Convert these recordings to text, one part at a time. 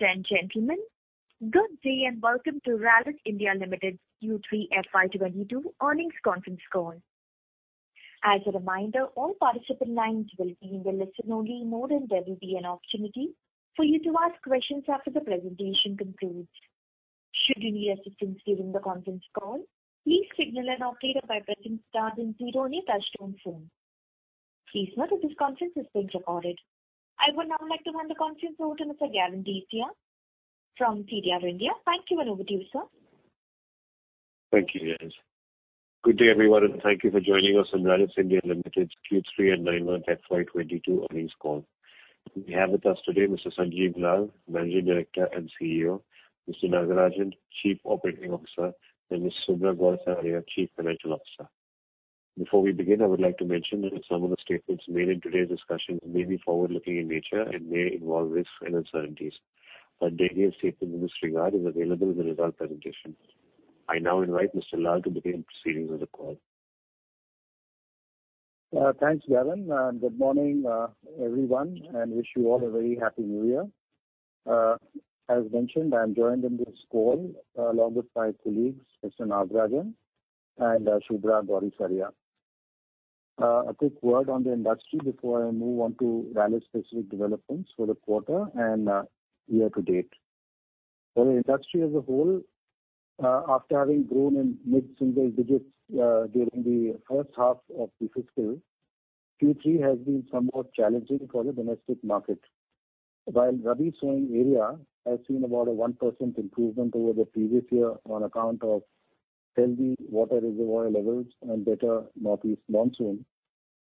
Ladies and gentlemen, good day, and welcome to Rallis India Limited Q3 FY 2022 earnings conference call. As a reminder, all participant lines will be in the listen-only mode, and there will be an opportunity for you to ask questions after the presentation concludes. Should you need assistance during the conference call, please signal an operator by pressing star then zero on your touchtone phone. Please note that this conference is being recorded. I would now like to hand the conference over to Mr. Gavin Desza from CDR India. Thank you, and over to you, sir. Thank you, Liz. Good day, everyone, and thank you for joining us on Rallis India Limited Q3 and Nine-Month FY 2022 earnings call. We have with us today Mr. Sanjiv Lal, Managing Director and CEO, Mr. Nagarajan, Chief Operating Officer, and Ms. Subhra Gourisaria, Chief Financial Officer. Before we begin, I would like to mention that some of the statements made in today's discussion may be forward-looking in nature and may involve risks and uncertainties. A disclaimer statement in this regard is available in the results presentation. I now invite Mr. Lal to begin proceedings of the call. Thanks, Gavin, and good morning, everyone, and wish you all a very happy New Year. As mentioned, I'm joined in this call along with my colleagues, Mr. Nagarajan and Subhra Gourisaria. A quick word on the industry before I move on to Rallis specific developments for the quarter and year to date. For the industry as a whole, after having grown in mid-single digits during the H1 of the fiscal, Q3 has been somewhat challenging for the domestic market. While rabi sowing area has seen about a 1% improvement over the previous year on account of healthy water reservoir levels and better northeast monsoon,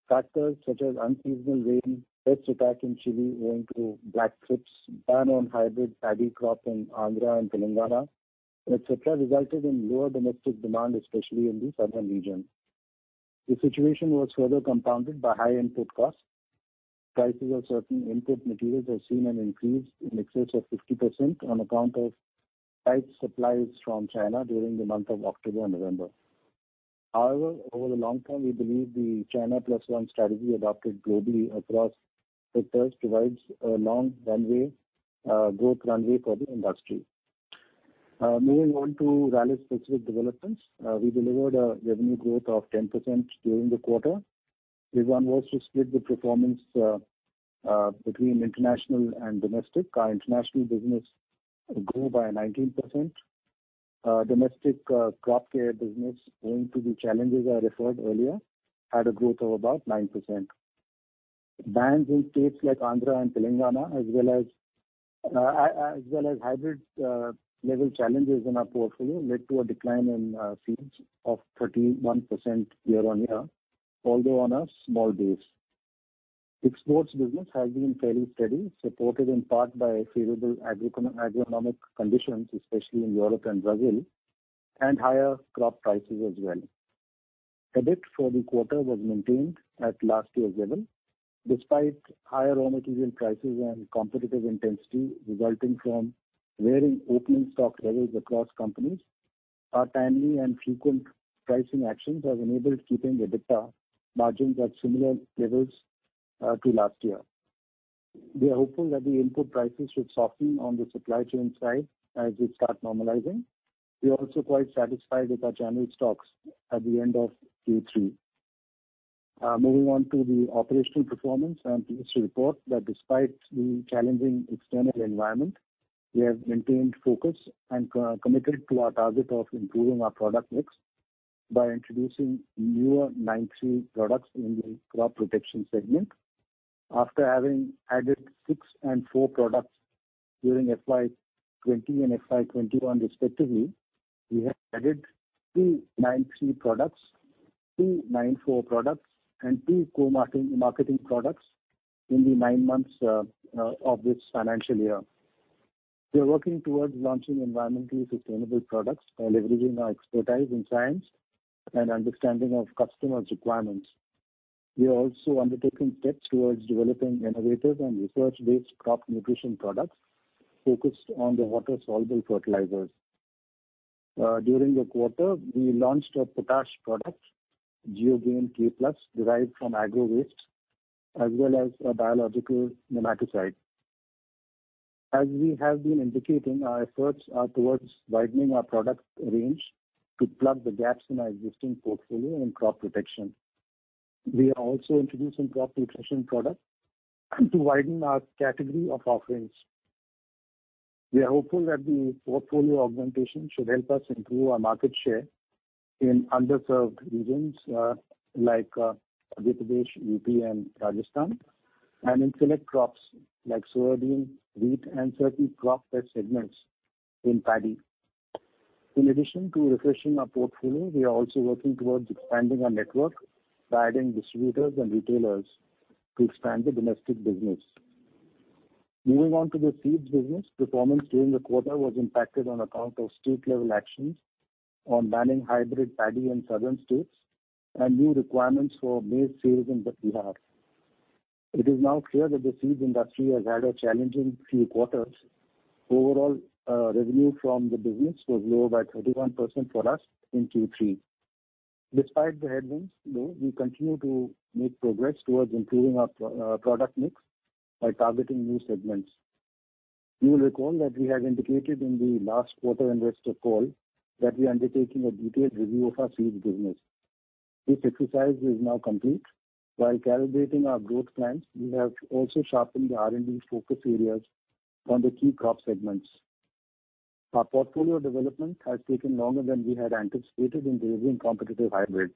factors such as unseasonal rain, pest attack in chili owing to black thrips, ban on hybrid paddy crop in Andhra and Telangana, et cetera, resulted in lower domestic demand, especially in the southern region. The situation was further compounded by high input costs. Prices of certain input materials have seen an increase in excess of 50% on account of tight supplies from China during the month of October and November. However, over the long term, we believe the China Plus One strategy adopted globally across sectors provides a long runway, growth runway for the industry. Moving on to Rallis-specific developments. We delivered a revenue growth of 10% during the quarter. This was split between international and domestic. Our international business grew by 19%. Domestic crop care business, owing to the challenges I referred earlier, had a growth of about 9%. Bans in states like Andhra and Telangana as well as hybrid level challenges in our portfolio led to a decline in seeds of 31% year-on-year, although on a small base. Exports business has been fairly steady, supported in part by favorable agronomic conditions, especially in Europe and Brazil, and higher crop prices as well. EBIT for the quarter was maintained at last year's level. Despite higher raw material prices and competitive intensity resulting from varying opening stock levels across companies, our timely and frequent pricing actions have enabled keeping EBITDA margins at similar levels to last year. We are hopeful that the input prices should soften on the supply chain side as we start normalizing. We are also quite satisfied with our general stocks at the end of Q3. Moving on to the operational performance. I'm pleased to report that despite the challenging external environment, we have maintained focus and recommitted to our target of improving our product mix by introducing newer 9(3) products in the crop protection segment. After having added six and four products during FY 2020 and FY 2021 respectively, we have added three 9(3) products, two 9(4) products, and two co-marketing products in the nine months of this financial year. We are working towards launching environmentally sustainable products by leveraging our expertise in science and understanding of customers' requirements. We are also undertaking steps towards developing innovative and research-based crop nutrition products focused on the water-soluble fertilizers. During the quarter, we launched a potash product, GeoGain K Plus, derived from agro waste, as well as a biological nematicide. As we have been indicating, our efforts are towards widening our product range to plug the gaps in our existing portfolio in crop protection. We are also introducing crop nutrition products to widen our category of offerings. We are hopeful that the portfolio augmentation should help us improve our market share in underserved regions, like Uttar Pradesh, UP, and Rajasthan, and in select crops like soybean, wheat, and certain crop bed segments in paddy. In addition to refreshing our portfolio, we are also working towards expanding our network by adding distributors and retailers to expand the domestic business. Moving on to the seeds business. Performance during the quarter was impacted on account of state level actions on banning hybrid paddy in southern states and new requirements for maize sales in Bihar. It is now clear that the seeds industry has had a challenging few quarters. Overall, revenue from the business was lower by 31% for us in Q3. Despite the headwinds, though, we continue to make progress towards improving our product mix by targeting new segments. You will recall that we had indicated in the last quarter investor call that we are undertaking a detailed review of our seeds business. This exercise is now complete. While calibrating our growth plans, we have also sharpened the R&D focus areas on the key crop segments. Our portfolio development has taken longer than we had anticipated in delivering competitive hybrids.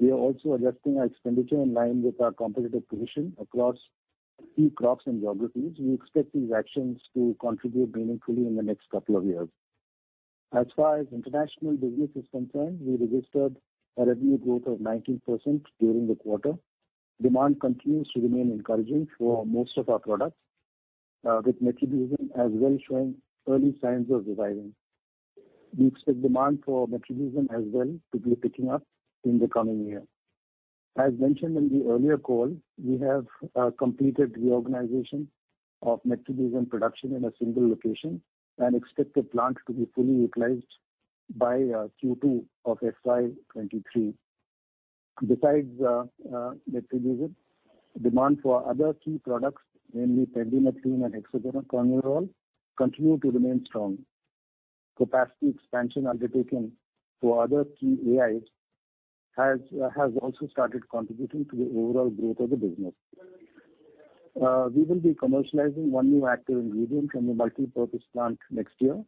We are also adjusting our expenditure in line with our competitive position across key crops and geographies. We expect these actions to contribute meaningfully in the next couple of years. As far as international business is concerned, we registered a revenue growth of 19% during the quarter. Demand continues to remain encouraging for most of our products, with metribuzin as well showing early signs of reviving. We expect demand for metribuzin as well to be picking up in the coming year. As mentioned in the earlier call, we have completed reorganization of metribuzin production in a single location and expect the plant to be fully utilized by Q2 of FY 2023. Besides metribuzin, demand for other key products, namely pendimethalin and hexaconazole, continue to remain strong. Capacity expansion undertaken for other key AIs has also started contributing to the overall growth of the business. We will be commercializing one new active ingredient from the Multi-Purpose Plant next year.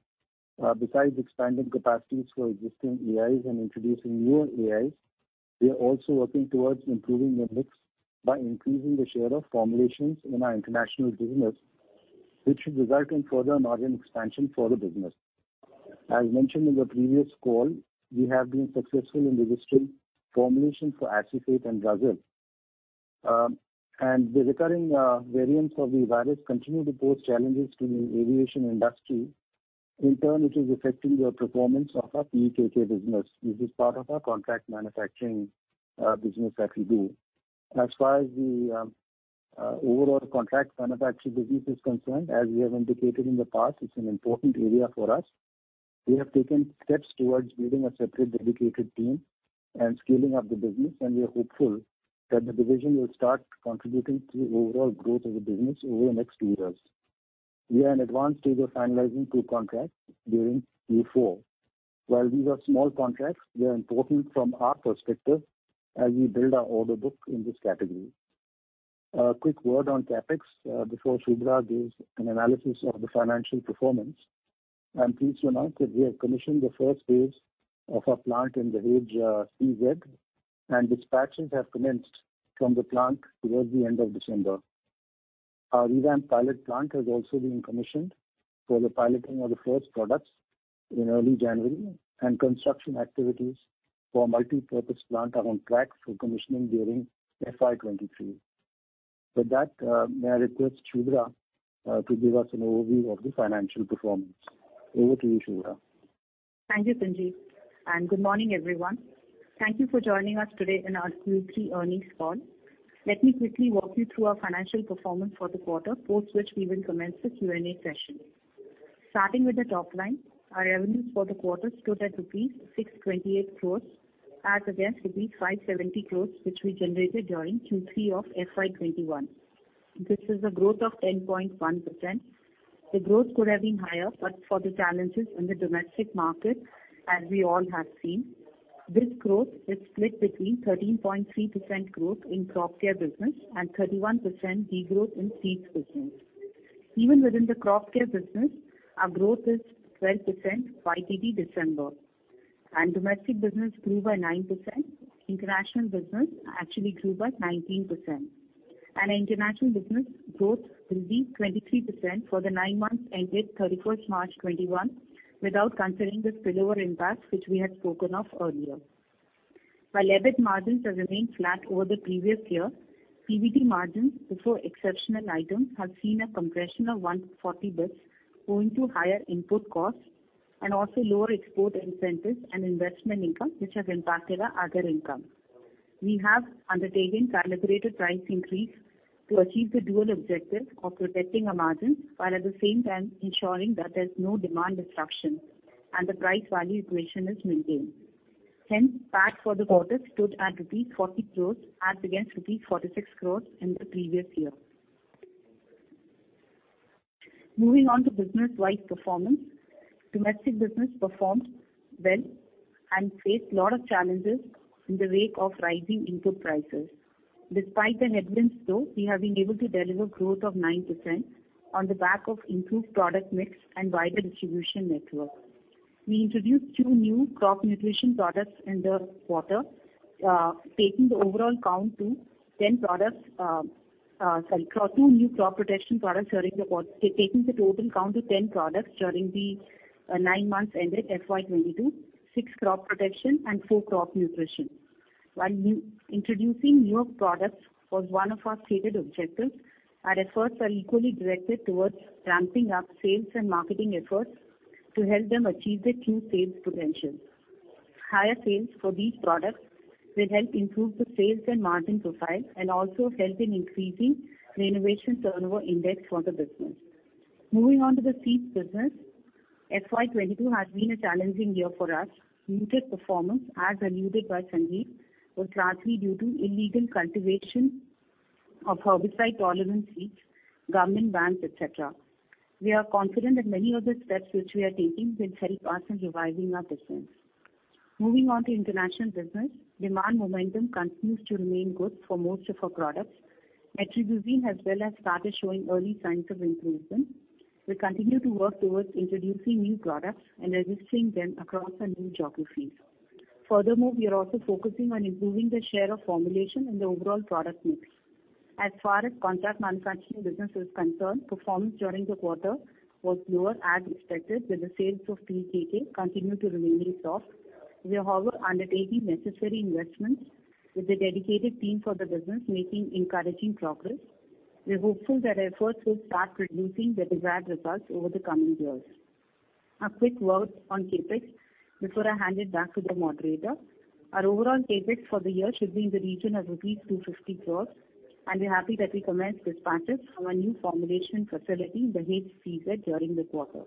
Besides expanding capacities for existing AIs and introducing newer AIs, we are also working towards improving the mix by increasing the share of formulations in our international business, which should result in further margin expansion for the business. As mentioned in the previous call, we have been successful in registering formulations for acephate and Gazelle. The recurring variants of the virus continue to pose challenges to the aviation industry. In turn, it is affecting the performance of our PEKK business. This is part of our contract manufacturing business that we do. As far as the overall contract manufacturing business is concerned, as we have indicated in the past, it's an important area for us. We have taken steps towards building a separate dedicated team and scaling up the business, and we are hopeful that the division will start contributing to the overall growth of the business over the next two years. We are in advanced stage of finalizing two contracts during Q4. While these are small contracts, they are important from our perspective as we build our order book in this category. A quick word on CapEx before Shubhra gives an analysis of the financial performance. I'm pleased to announce that we have commissioned the first phase of our plant in the Dahej SEZ, and dispatches have commenced from the plant towards the end of December. Our revamped pilot plant has also been commissioned for the piloting of the first products in early January, and construction activities for multipurpose plant are on track for commissioning during FY 2023. With that, I request Subhra to give us an overview of the financial performance. Over to you, Subhra. Thank you, Sanjiv, and good morning, everyone. Thank you for joining us today in our Q3 earnings call. Let me quickly walk you through our financial performance for the quarter, post which we will commence the Q&A session. Starting with the top line, our revenues for the quarter stood at rupees 628 crore as against rupees 570 crore, which we generated during Q3 of FY 2021. This is a growth of 10.1%. The growth could have been higher, but for the challenges in the domestic market, as we all have seen. This growth is split between 13.3% growth in crop care business and 31% degrowth in seeds business. Even within the crop care business, our growth is 12% YTD December, and domestic business grew by 9%. International business actually grew by 19%. Our international business growth will be 23% for the nine months ended 31 March 2021, without considering the spillover impact which we had spoken of earlier. While EBIT margins have remained flat over the previous year, PBT margins before exceptional items have seen a compression of 140 basis points owing to higher input costs and also lower export incentives and investment income, which has impacted our other income. We have undertaken calibrated price increase to achieve the dual objective of protecting our margins, while at the same time ensuring that there's no demand disruption and the price value equation is maintained. Hence, PAT for the quarter stood at rupees 40 crore as against rupees 46 crore in the previous year. Moving on to business-wide performance. Domestic business performed well and faced a lot of challenges in the wake of rising input prices. Despite the headwinds, though, we have been able to deliver growth of 9% on the back of improved product mix and wider distribution network. We introduced two new crop protection products during the nine months ended FY 2022, taking the total count to 10 products, six crop protection and four crop nutrition. While introducing newer products was one of our stated objectives, our efforts are equally directed towards ramping up sales and marketing efforts to help them achieve their true sales potential. Higher sales for these products will help improve the sales and margin profile and also help in increasing the innovation turnover index for the business. Moving on to the seeds business, FY 2022 has been a challenging year for us. Muted performance, as alluded by Sanjiv Lal, was largely due to illegal cultivation of herbicide-tolerant seeds, government bans, et cetera. We are confident that many of the steps which we are taking will help us in reviving our business. Moving on to international business, demand momentum continues to remain good for most of our products. metribuzin as well has started showing early signs of improvement. We continue to work towards introducing new products and registering them across our new geographies. Furthermore, we are also focusing on improving the share of formulation in the overall product mix. As far as contract manufacturing business is concerned, performance during the quarter was lower as expected, with the sales of PEKK continue to remain very soft. We are, however, undertaking necessary investments with a dedicated team for the business making encouraging progress. We are hopeful that our efforts will start producing the desired results over the coming years. A quick word on CapEx before I hand it back to the moderator. Our overall CapEx for the year should be in the region of rupees 250 crores, and we're happy that we commenced dispatches from our new formulation facility, Dahej SEZ, during the quarter.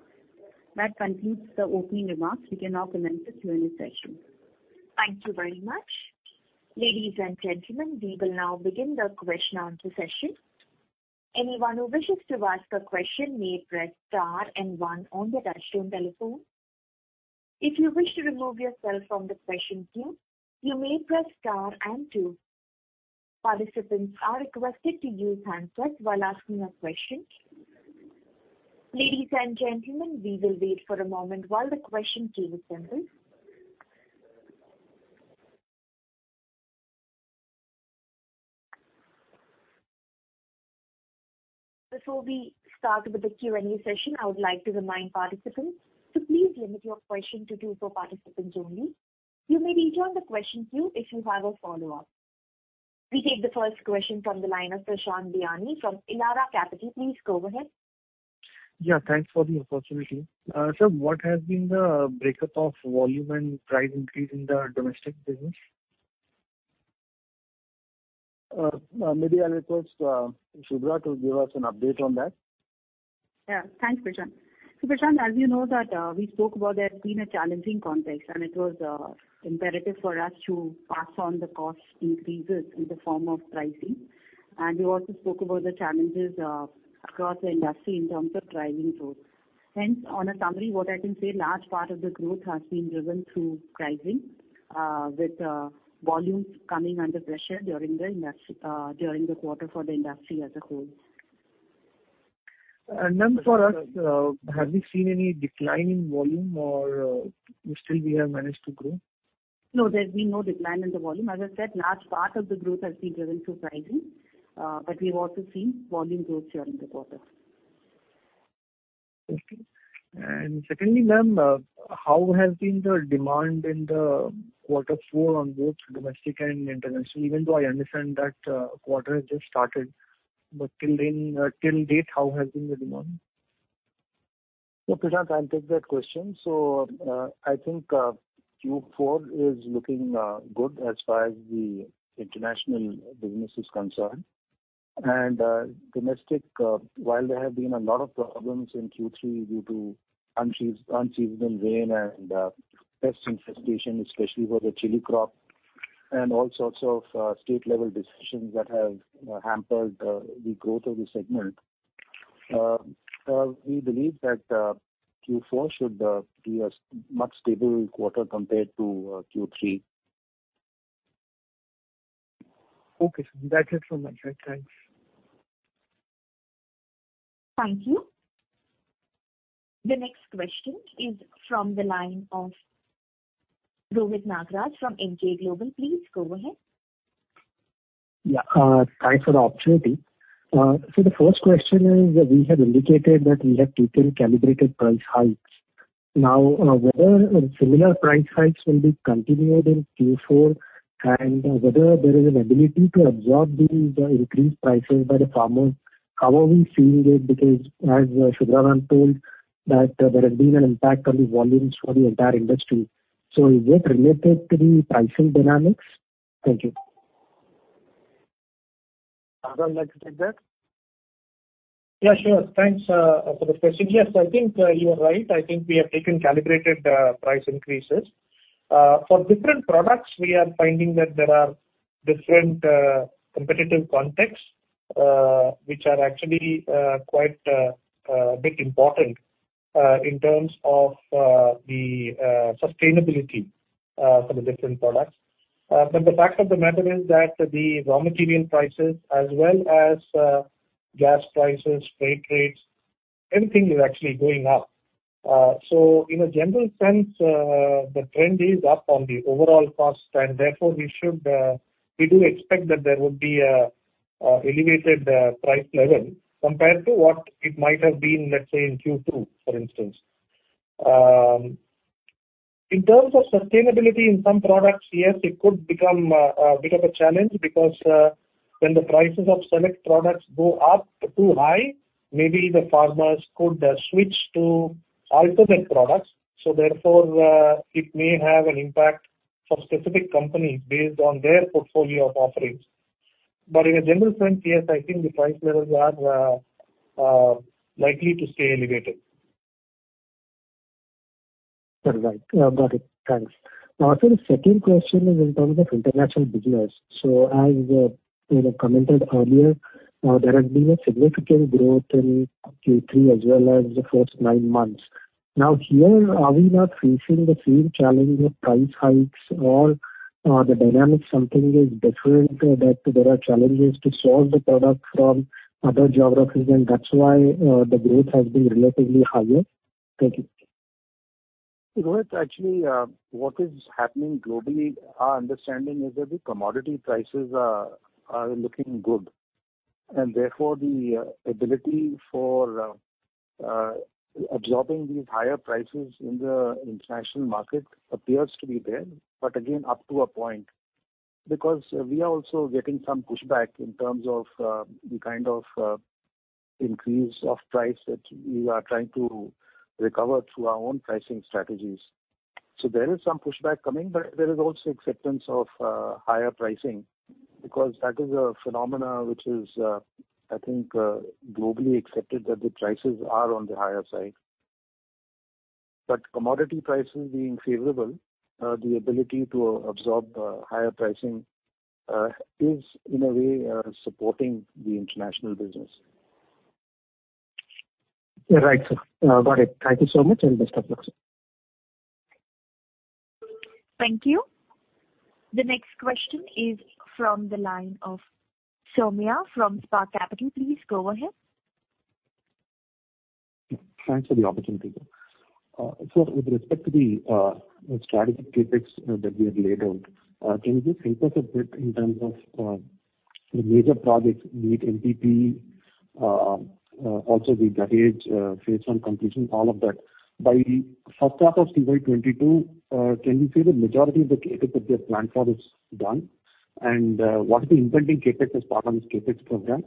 That concludes the opening remarks. We can now commence the Q&A session. Thank you very much. Ladies and gentlemen, we will now begin the question answer session. Anyone who wishes to ask a question may press star and one on the touchtone telephone. If you wish to remove yourself from the question queue, you may press star and two. Participants are requested to use handset while asking a question. Ladies and gentlemen, we will wait for a moment while the question queue assembles. Before we start with the Q&A session, I would like to remind participants to please limit your question to two per participant only. You may re-join the question queue if you have a follow-up. We take the first question from the line of Prashant Biyani from Elara Capital. Please go ahead. Yeah, thanks for the opportunity. So what has been the breakup of volume and price increase in the domestic business? Maybe I'll request Subhra to give us an update on that. Yeah. Thanks, Prashant. Prashant, as you know that, we spoke about there's been a challenging context, and it was imperative for us to pass on the cost increases in the form of pricing. We also spoke about the challenges across the industry in terms of driving growth. Hence, on a summary, what I can say, large part of the growth has been driven through pricing, with volumes coming under pressure during the quarter for the industry as a whole. For us, have you seen any decline in volume or, still we have managed to grow? No, there's been no decline in the volume. As I said, large part of the growth has been driven through pricing, but we've also seen volume growth during the quarter. Okay. Secondly, ma'am, how has been the demand in quarter four on both domestic and international? Even though I understand that quarter has just started, but till then till date, how has been the demand? Prashant, I'll take that question. I think Q4 is looking good as far as the international business is concerned. Domestic, while there have been a lot of problems in Q3 due to unseasonal rain and pest infestation, especially for the chili crop and all sorts of state level decisions that have hampered the growth of the segment. We believe that Q4 should be a much more stable quarter compared to Q3. Okay, Sanjiv. That's it from my side. Thanks. Thank you. The next question is from the line of Rohit Nagraj from Emkay Global. Please go ahead. Yeah. Thanks for the opportunity. So the first question is that we have indicated that we have taken calibrated price hikes. Now, whether similar price hikes will be continued in Q4 and whether there is an ability to absorb these, increased prices by the farmers. How are we seeing it? Because as Subhra ma'am told that there has been an impact on the volumes for the entire industry. Is that related to the pricing dynamics? Thank you. Subhra, would you like to take that? Yeah, sure. Thanks for the question. Yes, I think you are right. I think we have taken calibrated price increases. For different products, we are finding that there are different competitive contexts, which are actually quite a bit important in terms of the sustainability for the different products. The fact of the matter is that the raw material prices as well as gas prices, freight rates, everything is actually going up. In a general sense, the trend is up on the overall cost and therefore we do expect that there would be elevated price level compared to what it might have been, let's say in Q2 for instance. In terms of sustainability in some products, yes, it could become a bit of a challenge because when the prices of select products go up too high, maybe the farmers could switch to alternate products. Therefore, it may have an impact for specific companies based on their portfolio of offerings. In a general sense, yes, I think the price levels are likely to stay elevated. Right. Yeah, got it. Thanks. Now, sir, the second question is in terms of international business. As, you know, commented earlier, there has been a significant growth in Q3 as well as the first nine months. Now, are we not facing the same challenge of price hikes or the dynamics are different so that there are challenges to source the product from other geographies, and that's why the growth has been relatively higher? Thank you. Rohit, actually, what is happening globally, our understanding is that the commodity prices are looking good. Therefore the ability for absorbing these higher prices in the international market appears to be there. Again, up to a point. Because we are also getting some pushback in terms of the kind of increase of price that we are trying to recover through our own pricing strategies. There is some pushback coming, but there is also acceptance of higher pricing because that is a phenomenon which is I think globally accepted that the prices are on the higher side. Commodity prices being favorable, the ability to absorb higher pricing is in a way supporting the international business. Right, sir. Got it. Thank you so much, and best of luck, sir. Thank you. The next question is from the line of [Soumya] from Spark Capital. Please go ahead. Thanks for the opportunity. So with respect to the strategic CapEx that we have laid out, can you just help us a bit in terms of the major projects be it MPP, also the Dahej phase one completion, all of that. By H1 of FY 2022, can we say the majority of the CapEx that we have planned for is done? What is the impending CapEx as part of this CapEx program?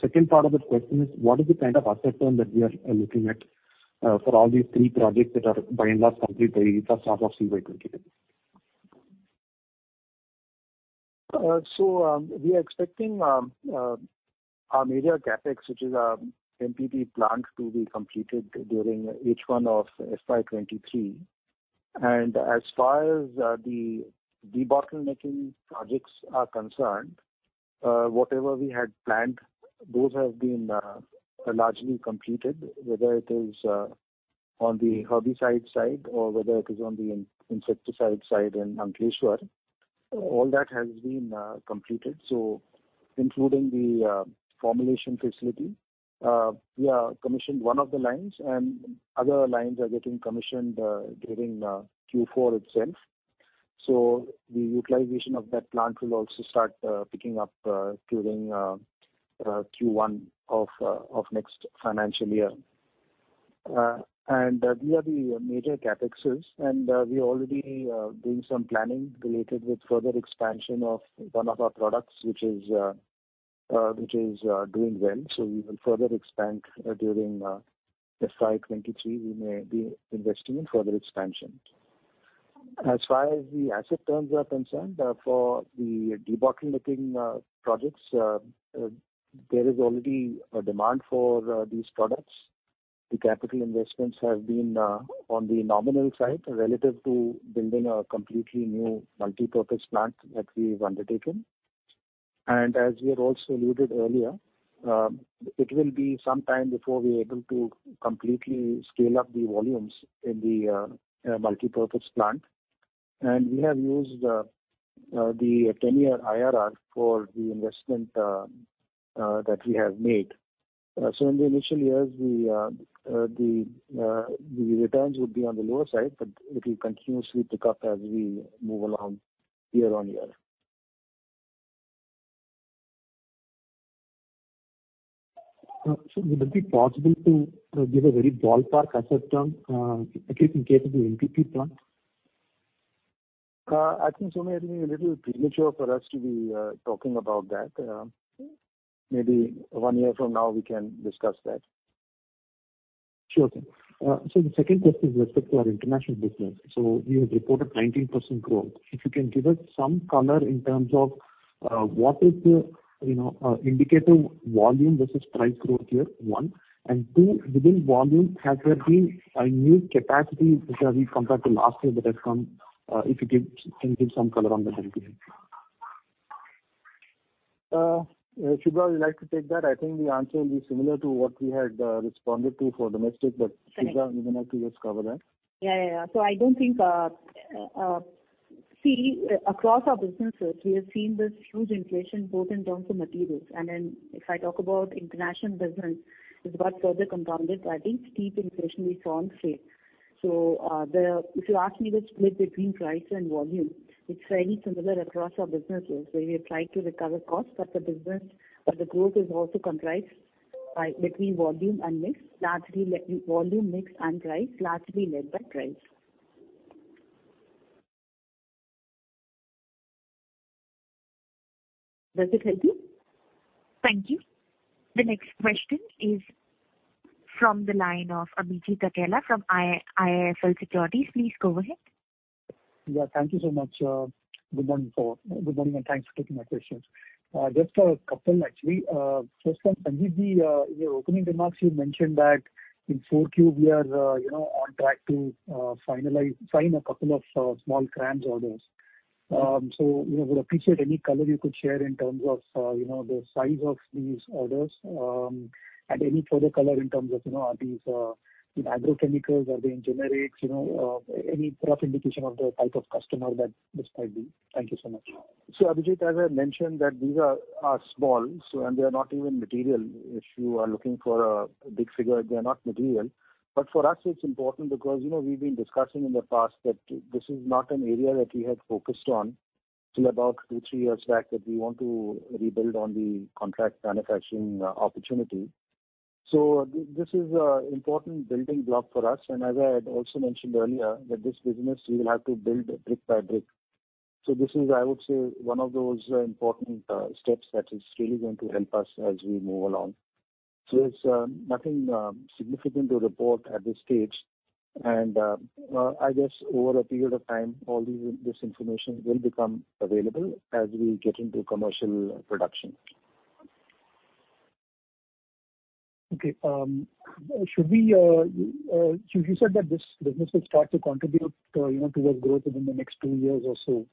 Second part of the question is: What is the kind of asset turn that we are looking at for all these three projects that are by and large complete by H1 of FY 2022? We are expecting our major CapEx, which is our MPP plant to be completed during H1 of FY 2023. As far as the debottlenecking projects are concerned, whatever we had planned, those have been largely completed. Whether it is on the herbicide side or whether it is on the insecticide side in Ankleshwar, all that has been completed. Including the formulation facility, we have commissioned one of the lines and other lines are getting commissioned during Q4 itself. The utilization of that plant will also start picking up during Q1 of next financial year. These are the major CapExes, and we are already doing some planning related with further expansion of one of our products which is doing well. We will further expand during FY 2023. We may be investing in further expansion. As far as the asset turns are concerned, for the debottlenecking projects, there is already a demand for these products. The capital investments have been on the nominal side relative to building a completely new multipurpose plant that we've undertaken. As we have also alluded earlier, it will be some time before we're able to completely scale up the volumes in the multipurpose plant. We have used the 10-year IRR for the investment that we have made. In the initial years the returns would be on the lower side, but it will continuously pick up as we move along year on year. Would it be possible to give a very ballpark asset turn, at least in case of the MPP plant? I think, Soumya, it'll be a little premature for us to be talking about that. Maybe one year from now we can discuss that. Sure thing. The second question is with respect to our international business. We have reported 19% growth. If you can give us some color in terms of what is the indicator volume versus price growth here, one. Two, within volume, has there been a new capacity which have been compared to last year that has come? If you could give some color on that, it will be great. Subhra, would you like to take that? I think the answer will be similar to what we had responded to for domestic but- Correct. Subhra, you may like to just cover that. Yeah. I don't think across our businesses we have seen this huge inflation both in terms of materials. If I talk about international business, it got further compounded by each steep inflation we saw on freight. If you ask me the split between price and volume, it's very similar across our businesses, where we have tried to recover costs, but the business or the growth is also comprised by between volume and mix, largely volume, mix and price, largely led by price. Does it help you? Thank you. The next question is from the line of Abhijit Akella from IIFL Securities. Please go ahead. Yeah, thank you so much. Good morning, all. Good morning, and thanks for taking my questions. Just a couple, actually. First one, Sanjiv, in your opening remarks you mentioned that in Q4 we are on track to sign a couple of small CRAMS orders. You know, would appreciate any color you could share in terms of you know, the size of these orders. Any further color in terms of, you know, are these in agrochemicals, are they in generics, you know, any rough indication of the type of customer that this might be? Thank you so much. Abhijit, as I mentioned, that these are small, and they're not even material. If you are looking for a big figure, they're not material. For us it's important because, you know, we've been discussing in the past that this is not an area that we had focused on till about two to three years back, that we want to rebuild on the contract manufacturing opportunity. This is an important building block for us. As I had also mentioned earlier, that this business we will have to build brick by brick. This is, I would say, one of those important steps that is really going to help us as we move along. It's nothing significant to report at this stage. I guess over a period of time, all these. This information will become available as we get into commercial production. You said that this business will start to contribute, you know, to our growth within the next two years or so.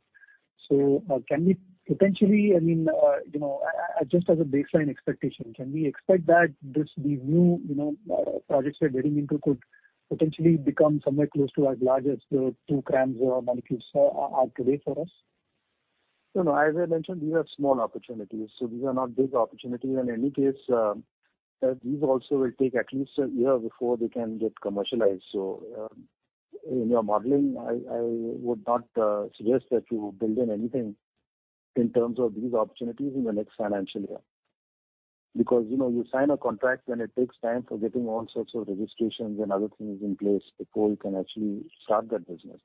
Can we potentially, I mean, you know, as just as a baseline expectation, can we expect that this the new, you know, projects we are getting into could potentially become somewhere close to as large as the two CRAMS molecules are today for us? No, no. As I mentioned, these are small opportunities, so these are not big opportunities. In any case, these also will take at least a year before they can get commercialized. In your modeling, I would not suggest that you build in anything in terms of these opportunities in the next financial year. Because, you know, you sign a contract and it takes time for getting all sorts of registrations and other things in place before you can actually start that business.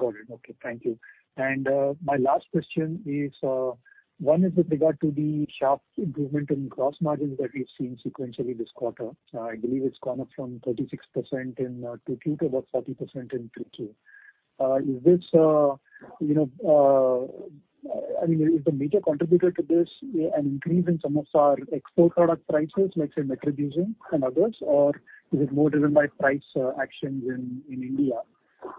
Got it. Okay. Thank you. My last question is one with regard to the sharp improvement in gross margins that we've seen sequentially this quarter. I believe it's gone up from 36% in 2Q to about 40% in 3Q. You know, I mean, is the major contributor to this an increase in some of our export product prices, let's say metribuzin and others, or is it more driven by price actions in India?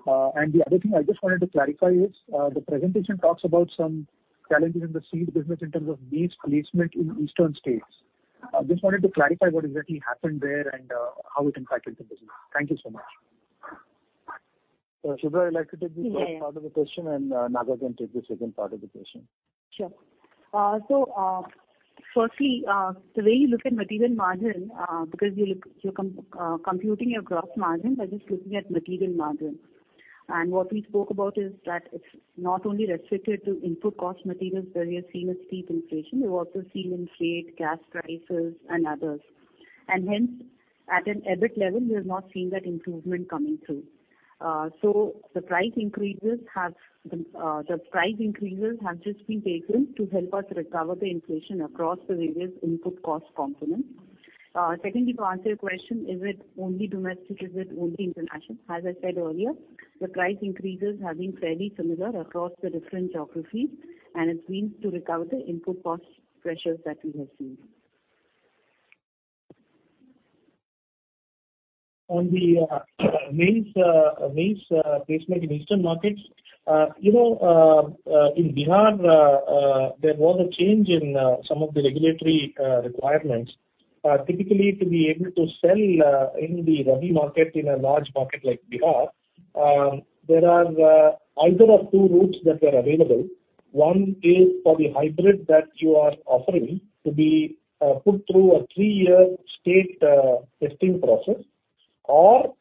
The other thing I just wanted to clarify is the presentation talks about some challenges in the seed business in terms of maize placement in eastern states. Just wanted to clarify what exactly happened there and how it impacted the business. Thank you so much. Subhra, I'd like to take the first part of the question, and Naga can take the second part of the question. Sure. Firstly, the way you look at material margin, because you look, you're computing your gross margin by just looking at material margin. What we spoke about is that it's not only restricted to input cost materials where we have seen a steep inflation, we've also seen in freight, gas prices and others. Hence, at an EBIT level, we have not seen that improvement coming through. The price increases have just been taken to help us recover the inflation across the various input cost components. Secondly, to answer your question, is it only domestic? Is it only international? As I said earlier, the price increases have been fairly similar across the different geographies, and it's been to recover the input cost pressures that we have seen. On the maize placement in eastern markets, you know, in Bihar, there was a change in some of the regulatory requirements. Typically, to be able to sell in the rabi market, in a large market like Bihar, there are either of two routes that were available. One is for the hybrid that you are offering to be put through a three-year state testing process or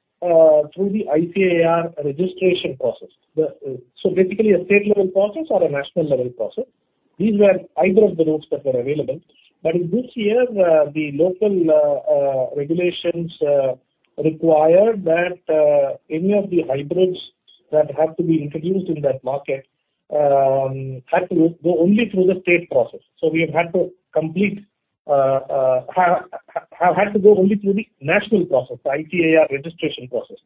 through the ICAR registration process. Basically a state level process or a national level process. These were either of the routes that were available. In this year, the local regulations require that any of the hybrids that have to be introduced in that market had to go only through the state process. We had to go only through the national process, the ICAR registration process.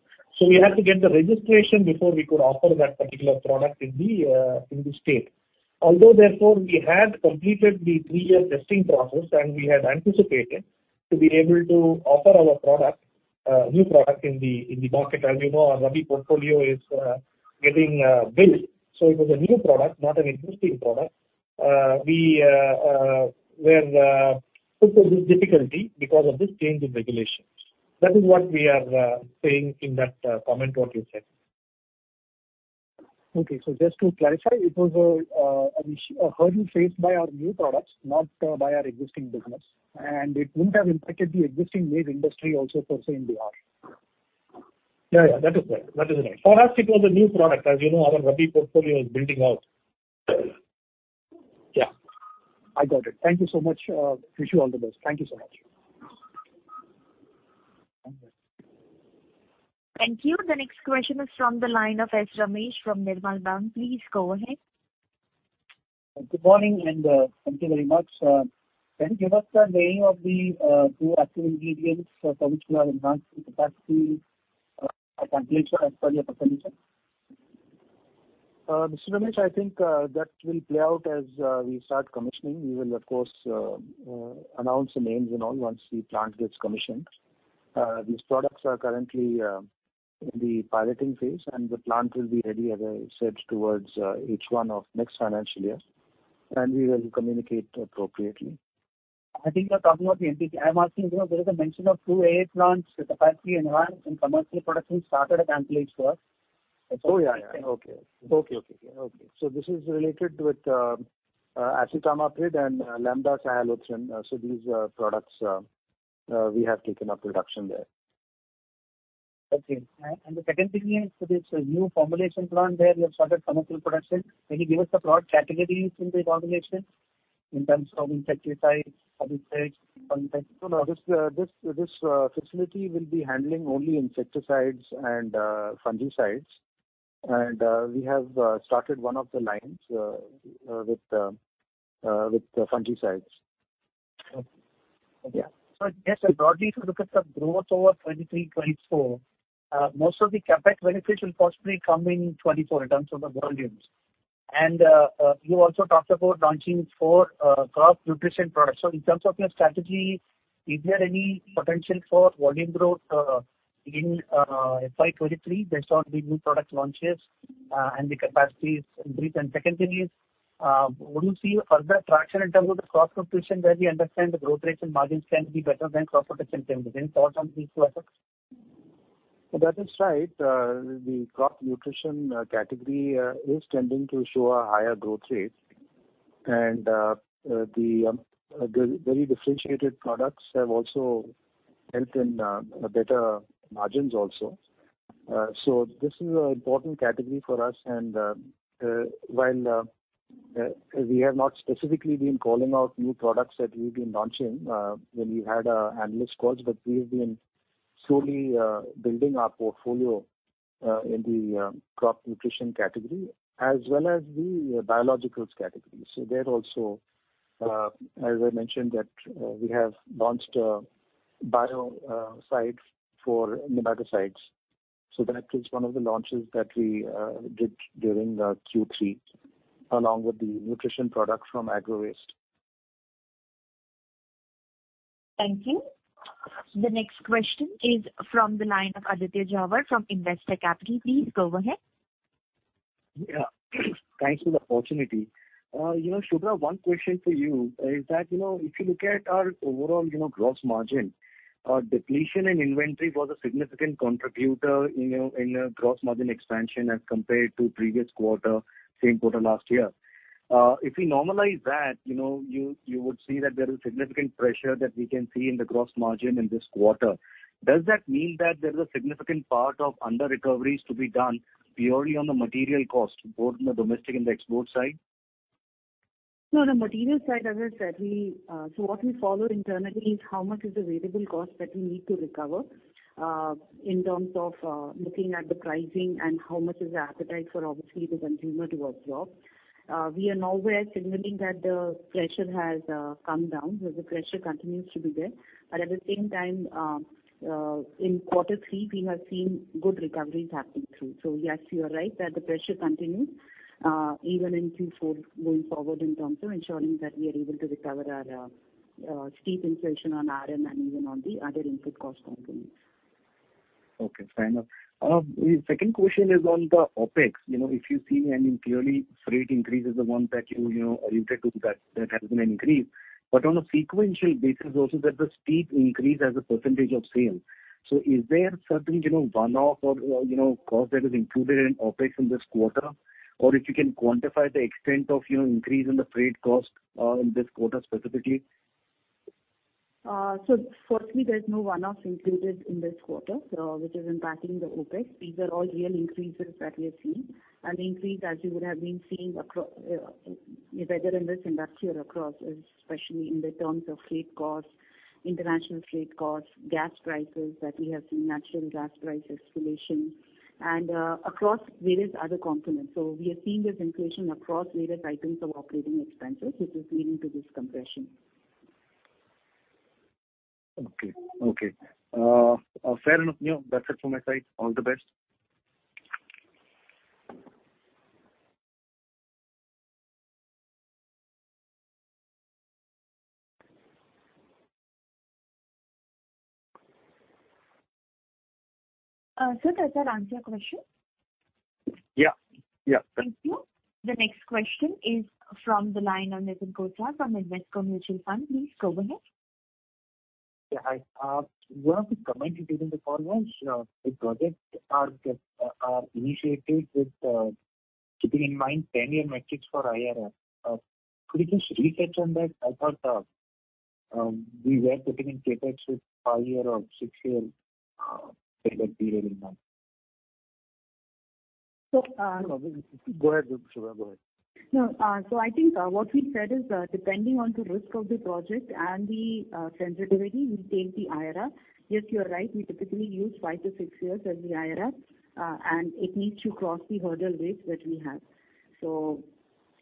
We had to get the registration before we could offer that particular product in the state. Although therefore, we had completed the three year testing process, and we had anticipated to be able to offer our product, new product in the market. As you know, our rabi portfolio is getting built. It was a new product, not an existing product. We were put to this difficulty because of this change in regulations. That is what we are saying in that comment what you said. Just to clarify, it was a hurdle faced by our new products, not by our existing business. It wouldn't have impacted the existing maize industry also per se in Bihar? Yeah, yeah. That is right. For us, it was a new product. As you know, our Rabi portfolio is building out. Yeah. I got it. Thank you so much. Wish you all the best. Thank you so much. Thank you. The next question is from the line of S. Ramesh from Nirmal Bang. Please go ahead. Good morning, thank you very much. Can you give us the name of the two active ingredients for which you have enhanced the capacity at Ankleshwar as per your presentation? Mr. Ramesh, I think that will play out as we start commissioning. We will of course announce the names and all once the plant gets commissioned. These products are currently in the piloting phase, and the plant will be ready, as I said, towards H1 of next financial year. We will communicate appropriately. I think you're talking about the MPP. I'm asking, you know, there is a mention of two AA plants with capacity enhanced and commercial production started at Ankleshwar as well. Okay. This is related with acetamiprid and lambda-cyhalothrin. These are products we have taken up production there. Okay. The second thing is this new formulation plant there, you have started commercial production. Can you give us the product categories in the formulation in terms of insecticides, fungicides? No, no. This facility will be handling only insecticides and fungicides. We have started one of the lines with the fungicides. Okay. Yeah. I guess broadly if you look at the growth over 2023, 2024, most of the CapEx benefits will possibly come in 2024 in terms of the volumes. You also talked about launching four crop nutrition products. In terms of your strategy, is there any potential for volume growth in FY 2023 based on the new product launches and the capacities increase? Second thing is, would you see further traction in terms of the crop nutrition where we understand the growth rates and margins can be better than crop protection segment. Any thoughts on these two aspects? That is right. The crop nutrition category is tending to show a higher growth rate. The very differentiated products have also helped in better margins also. This is an important category for us and while we have not specifically been calling out new products that we've been launching when we had our analyst calls, but we have been slowly building our portfolio in the crop nutrition category as well as the biologicals category. There also, as I mentioned that, we have launched a bio site for nematicides. That is one of the launches that we did during Q3, along with the nutrition product from agro waste. Thank you. The next question is from the line of Aditya Jhawar from Investec Capital. Please go ahead. Yeah. Thanks for the opportunity. You know, Subhra, one question for you is that, you know, if you look at our overall, you know, gross margin, depletion in inventory was a significant contributor in, you know, in gross margin expansion as compared to previous quarter, same quarter last year. If we normalize that, you know, you would see that there is significant pressure that we can see in the gross margin in this quarter. Does that mean that there is a significant part of underrecoveries to be done purely on the material cost, both in the domestic and the export side? No, on the material side, as I said, what we follow internally is how much is the variable cost that we need to recover in terms of looking at the pricing and how much is the appetite for obviously the consumer to absorb. We are now signaling that the pressure has come down. The pressure continues to be there. At the same time, in quarter three we have seen good recoveries happening through. Yes, you are right that the pressure continues even in Q4 going forward in terms of ensuring that we are able to recover our steep inflation on RM and even on the other input cost components. Okay, fair enough. The second question is on the OpEx. You know, if you see, I mean, clearly freight increase is the one that you know alluded to that has been increased. On a sequential basis also there's a steep increase as a percentage of sales. Is there certain, you know, one-off or you know cost that is included in OpEx in this quarter? If you can quantify the extent of you know increase in the freight cost in this quarter specifically. Firstly, there's no one-off included in this quarter, which is impacting the OpEx. These are all real increases that we are seeing. The increase as you would have been seeing across the industrials, across especially in the terms of freight costs, international freight costs, gas prices that we have seen, natural gas price escalation and across various other components. We are seeing this inflation across various items of operating expenses which is leading to this compression. Okay. Okay. Fair enough. You know, that's it from my side. All the best. Sir, does that answer your question? Yeah. Yeah. Thank you. The next question is from the line of Nitin Kotra from Invesco Mutual Fund. Please go ahead. Hi. One of the comments you gave in the conference, the projects are initiated with keeping in mind 10-year metrics for IRR. Could you just touch on that? I thought we were putting in CapEx with five-year or six-year payback period in mind. So, uh- No, go ahead, Subhra. Go ahead. No. I think what we said is that depending on the risk of the project and the sensitivity, we take the IRR. Yes, you are right. We typically use five to six years as the IRR, and it needs to cross the hurdle rates that we have.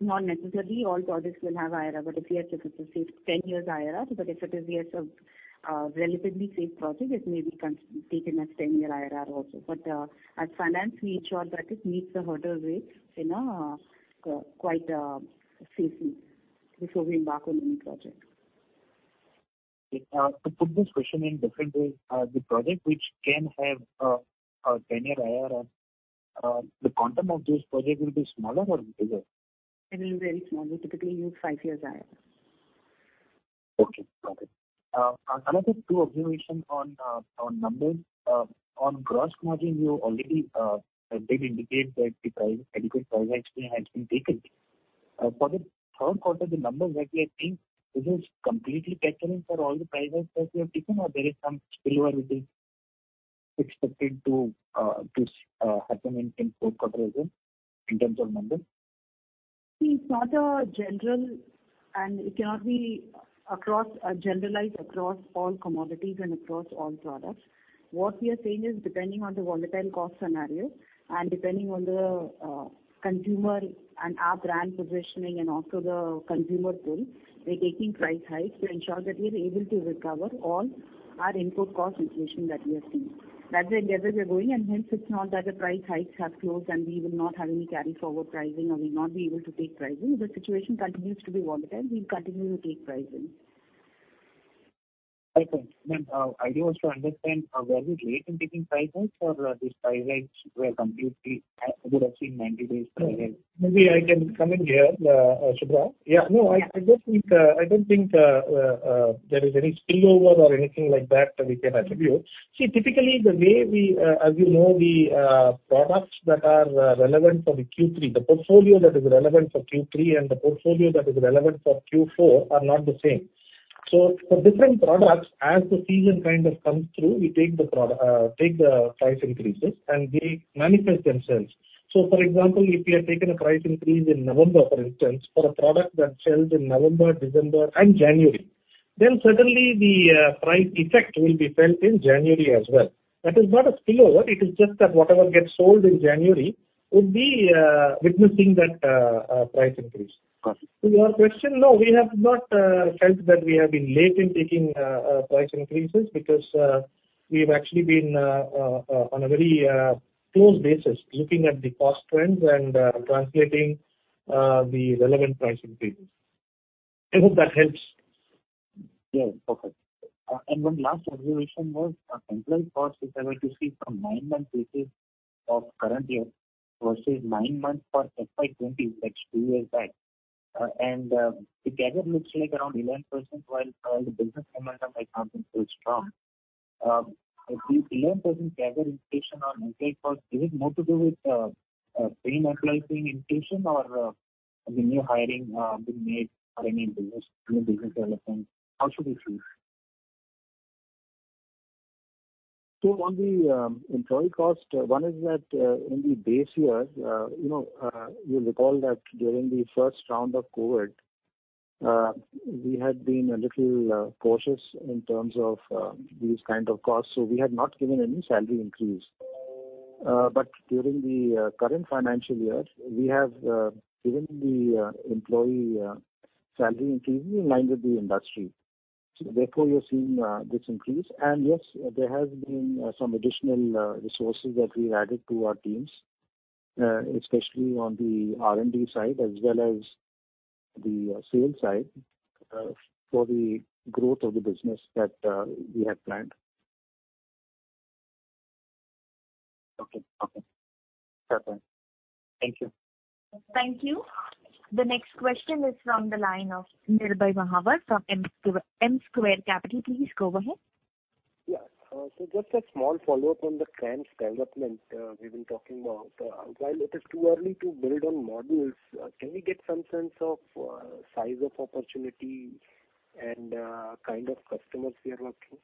Not necessarily all projects will have IRR, but if yes, if it's a safe 10-year IRR. But if it is, yes, a relatively safe project, it may be taken as 10-year IRR also. But as finance, we ensure that it meets the hurdle rates quite safely before we embark on any project. Okay. To put this question in different way, the project which can have a 10-year IRR, the quantum of this project will be smaller or bigger? It will be very small. We typically use five years IRR. Okay, got it. Another two observations on numbers. On gross margin, you already did indicate that the adequate price hike has been taken. For the third quarter, the numbers that we are seeing, is this completely capturing for all the price hikes that you have taken or there is some spillover which is expected to happen in Q4 as well in terms of numbers? It's not general and it cannot be generalized across all commodities and across all products. What we are saying is, depending on the volatile cost scenario and depending on the consumer and our brand positioning and also the consumer pull, we're taking price hikes to ensure that we are able to recover all our input cost inflation that we are seeing. That's the endeavor we are going, and hence it's not that the price hikes have closed and we will not have any carry forward pricing or we'll not be able to take pricing. If the situation continues to be volatile, we'll continue to take pricing. I think I do also understand were we late in taking price hikes or these price hikes were completely would have seen 90 days prior? Maybe I can come in here, Subhra. Yeah. No, I don't think there is any spillover or anything like that that we can attribute. See, typically the way we, as you know, the products that are relevant for the Q3, the portfolio that is relevant for Q3 and the portfolio that is relevant for Q4 are not the same. For different products, as the season kind of comes through, we take the price increases and they manifest themselves. For example, if we have taken a price increase in November, for instance, for a product that sells in November, December and January, then suddenly the price effect will be felt in January as well. That is not a spillover. It is just that whatever gets sold in January would be witnessing that price increase. Got it. To your question, no, we have not felt that we have been late in taking price increases because we've actually been on a very close basis looking at the cost trends and translating the relevant price increases. I hope that helps. Yeah. Perfect. One last observation was, employee cost if I were to see from nine months basis of current year versus nine months for FY 2020, that's two years back. The growth looks like around 11% while the business momentum I can't say is strong. If this 11% growth inflation on employee cost is it more to do with paying employees wage inflation or the new hiring being made for any business new business development? How should we see this? On the employee cost, one is that in the base year, you know, you'll recall that during the first round of COVID, we had been a little cautious in terms of these kind of costs, so we had not given any salary increase. During the current financial year, we have given the employee salary increase in line with the industry. Therefore you're seeing this increase. Yes, there has been some additional resources that we added to our teams, especially on the R&D side as well as the sales side, for the growth of the business that we had planned. Okay. Perfect. Thank you. Thank you. The next question is from the line of Nirbhay Mahawar from N Square Capital. Please go ahead. Yeah. Just a small follow-up on the CRAMS development we've been talking about. While it is too early to build on models, can we get some sense of size of opportunity and kind of customers we are working?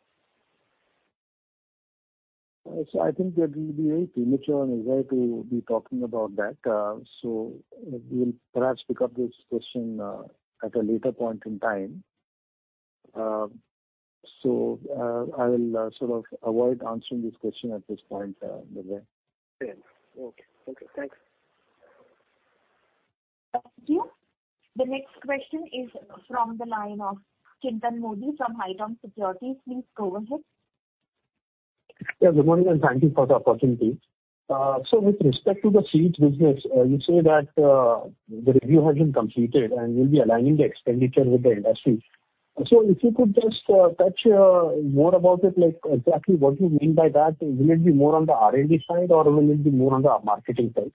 I think that will be very premature on his end to be talking about that. We'll perhaps pick up this question at a later point in time. I will sort of avoid answering this question at this point, Nirbhay. Fair. Okay. Okay, thanks. Thank you. The next question is from the line of Chintan Modi from Haitong Securities. Please go ahead. Yeah, good morning, and thank you for the opportunity. With respect to the seeds business, you say that the review has been completed and you'll be aligning the expenditure with the industry. If you could just touch more about it, like exactly what you mean by that. Will it be more on the R&D side or will it be more on the marketing side?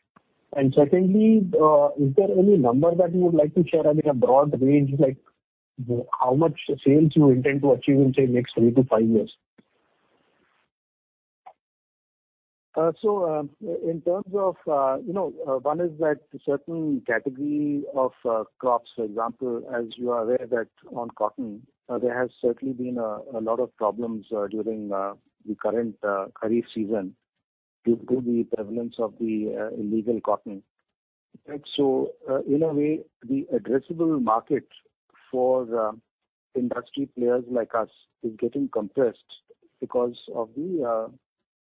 Secondly, is there any number that you would like to share, I mean, a broad range, like how much sales you intend to achieve in, say, next three to five years? In terms of, you know, one is that certain category of crops, for example, as you are aware that on cotton, there has certainly been a lot of problems during the current kharif season due to the prevalence of the illegal cotton. Right. In a way, the addressable market for the industry players like us is getting compressed because of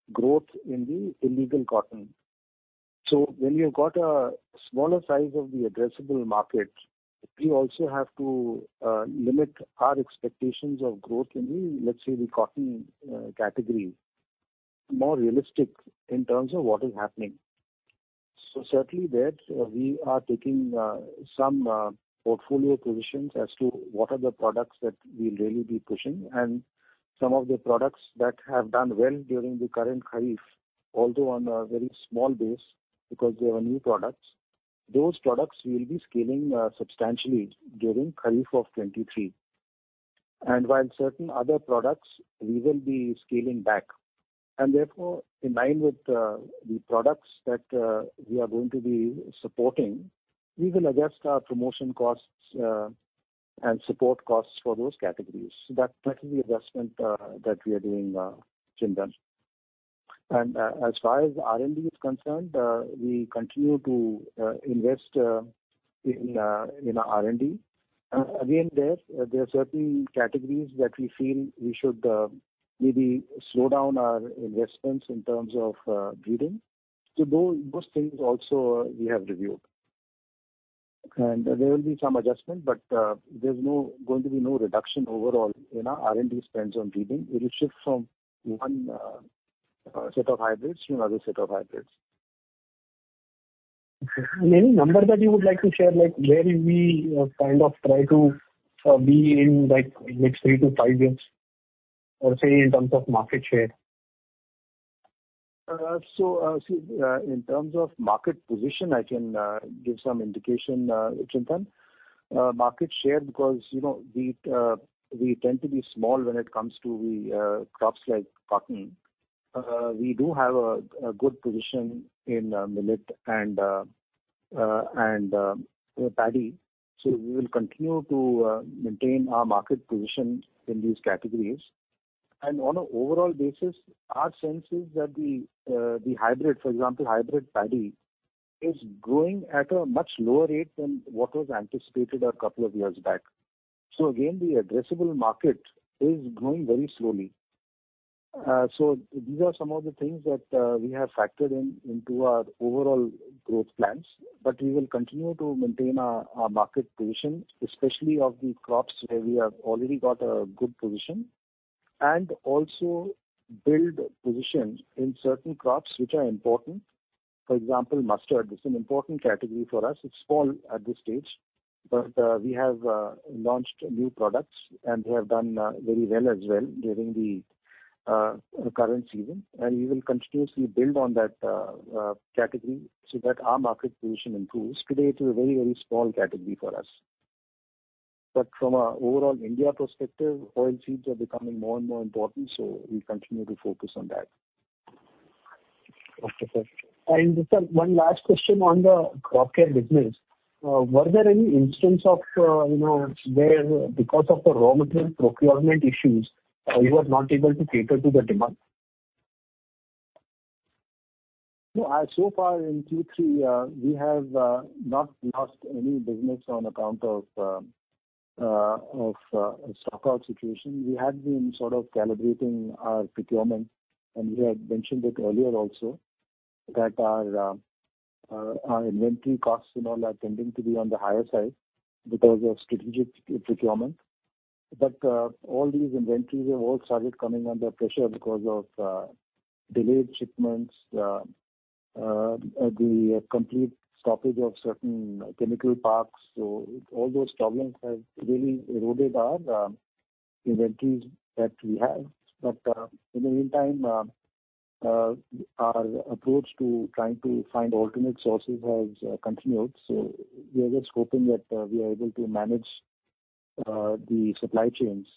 the growth in the illegal cotton. When you've got a smaller size of the addressable market, we also have to limit our expectations of growth in the, let's say, the cotton category more realistic in terms of what is happening. Certainly there, we are taking some portfolio positions as to what are the products that we'll really be pushing, and some of the products that have done well during the current kharif, although on a very small base because they are new products. Those products we'll be scaling substantially during kharif of 2023. While certain other products we will be scaling back. Therefore, in line with the products that we are going to be supporting, we will adjust our promotion costs and support costs for those categories. That is the adjustment that we are doing, Chintan. As far as R&D is concerned, we continue to invest in R&D. Again, there are certain categories that we feel we should maybe slow down our investments in terms of breeding. Those things also we have reviewed. There will be some adjustment, but there's going to be no reduction overall in our R&D spends on breeding. It will shift from one set of hybrids to another set of hybrids. Okay. Any number that you would like to share, like where we kind of try to be in, like next three to five years, or say in terms of market share? In terms of market position, I can give some indication, Chintan. Market share because, you know, we tend to be small when it comes to the crops like cotton. We do have a good position in millet and, you know, paddy. We will continue to maintain our market position in these categories. On an overall basis, our sense is that the hybrid, for example, hybrid paddy, is growing at a much lower rate than what was anticipated a couple of years back. Again, the addressable market is growing very slowly. These are some of the things that we have factored into our overall growth plans. We will continue to maintain our market position, especially of the crops where we have already got a good position, and also build positions in certain crops which are important. For example, mustard. It's an important category for us. It's small at this stage, but we have launched new products, and they have done very well as well during the current season. We will continuously build on that category so that our market position improves. Today it is a very small category for us. From a overall India perspective, oilseeds are becoming more and more important, so we continue to focus on that. Okay, sir. Sir, one last question on the crop care business. Were there any instance of, you know, where because of the raw material procurement issues, you were not able to cater to the demand? No. So far in Q3, we have not lost any business on account of of a stockout situation. We had been sort of calibrating our procurement, and we had mentioned it earlier also that our inventory costs, you know, are tending to be on the higher side because of strategic procurement. All these inventories have all started coming under pressure because of delayed shipments, the complete stoppage of certain chemical parks. All those problems have really eroded our inventories that we have. In the meantime, our approach to trying to find alternate sources has continued. We are just hoping that we are able to manage the supply chains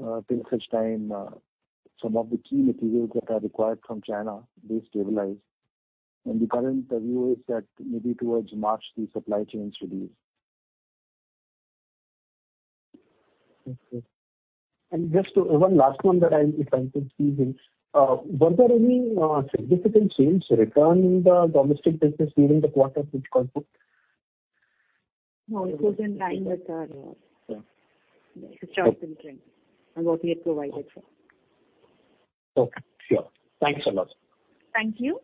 till such time some of the key materials that are required from China do stabilize. The current view is that maybe towards March the supply chains release. Okay. Just one last one that I'm interested in. Were there any significant sales return in the domestic business during the quarter which caused it? No, it was in line with our historical trends and what we had provided for. Okay, sure. Thank you so much. Thank you.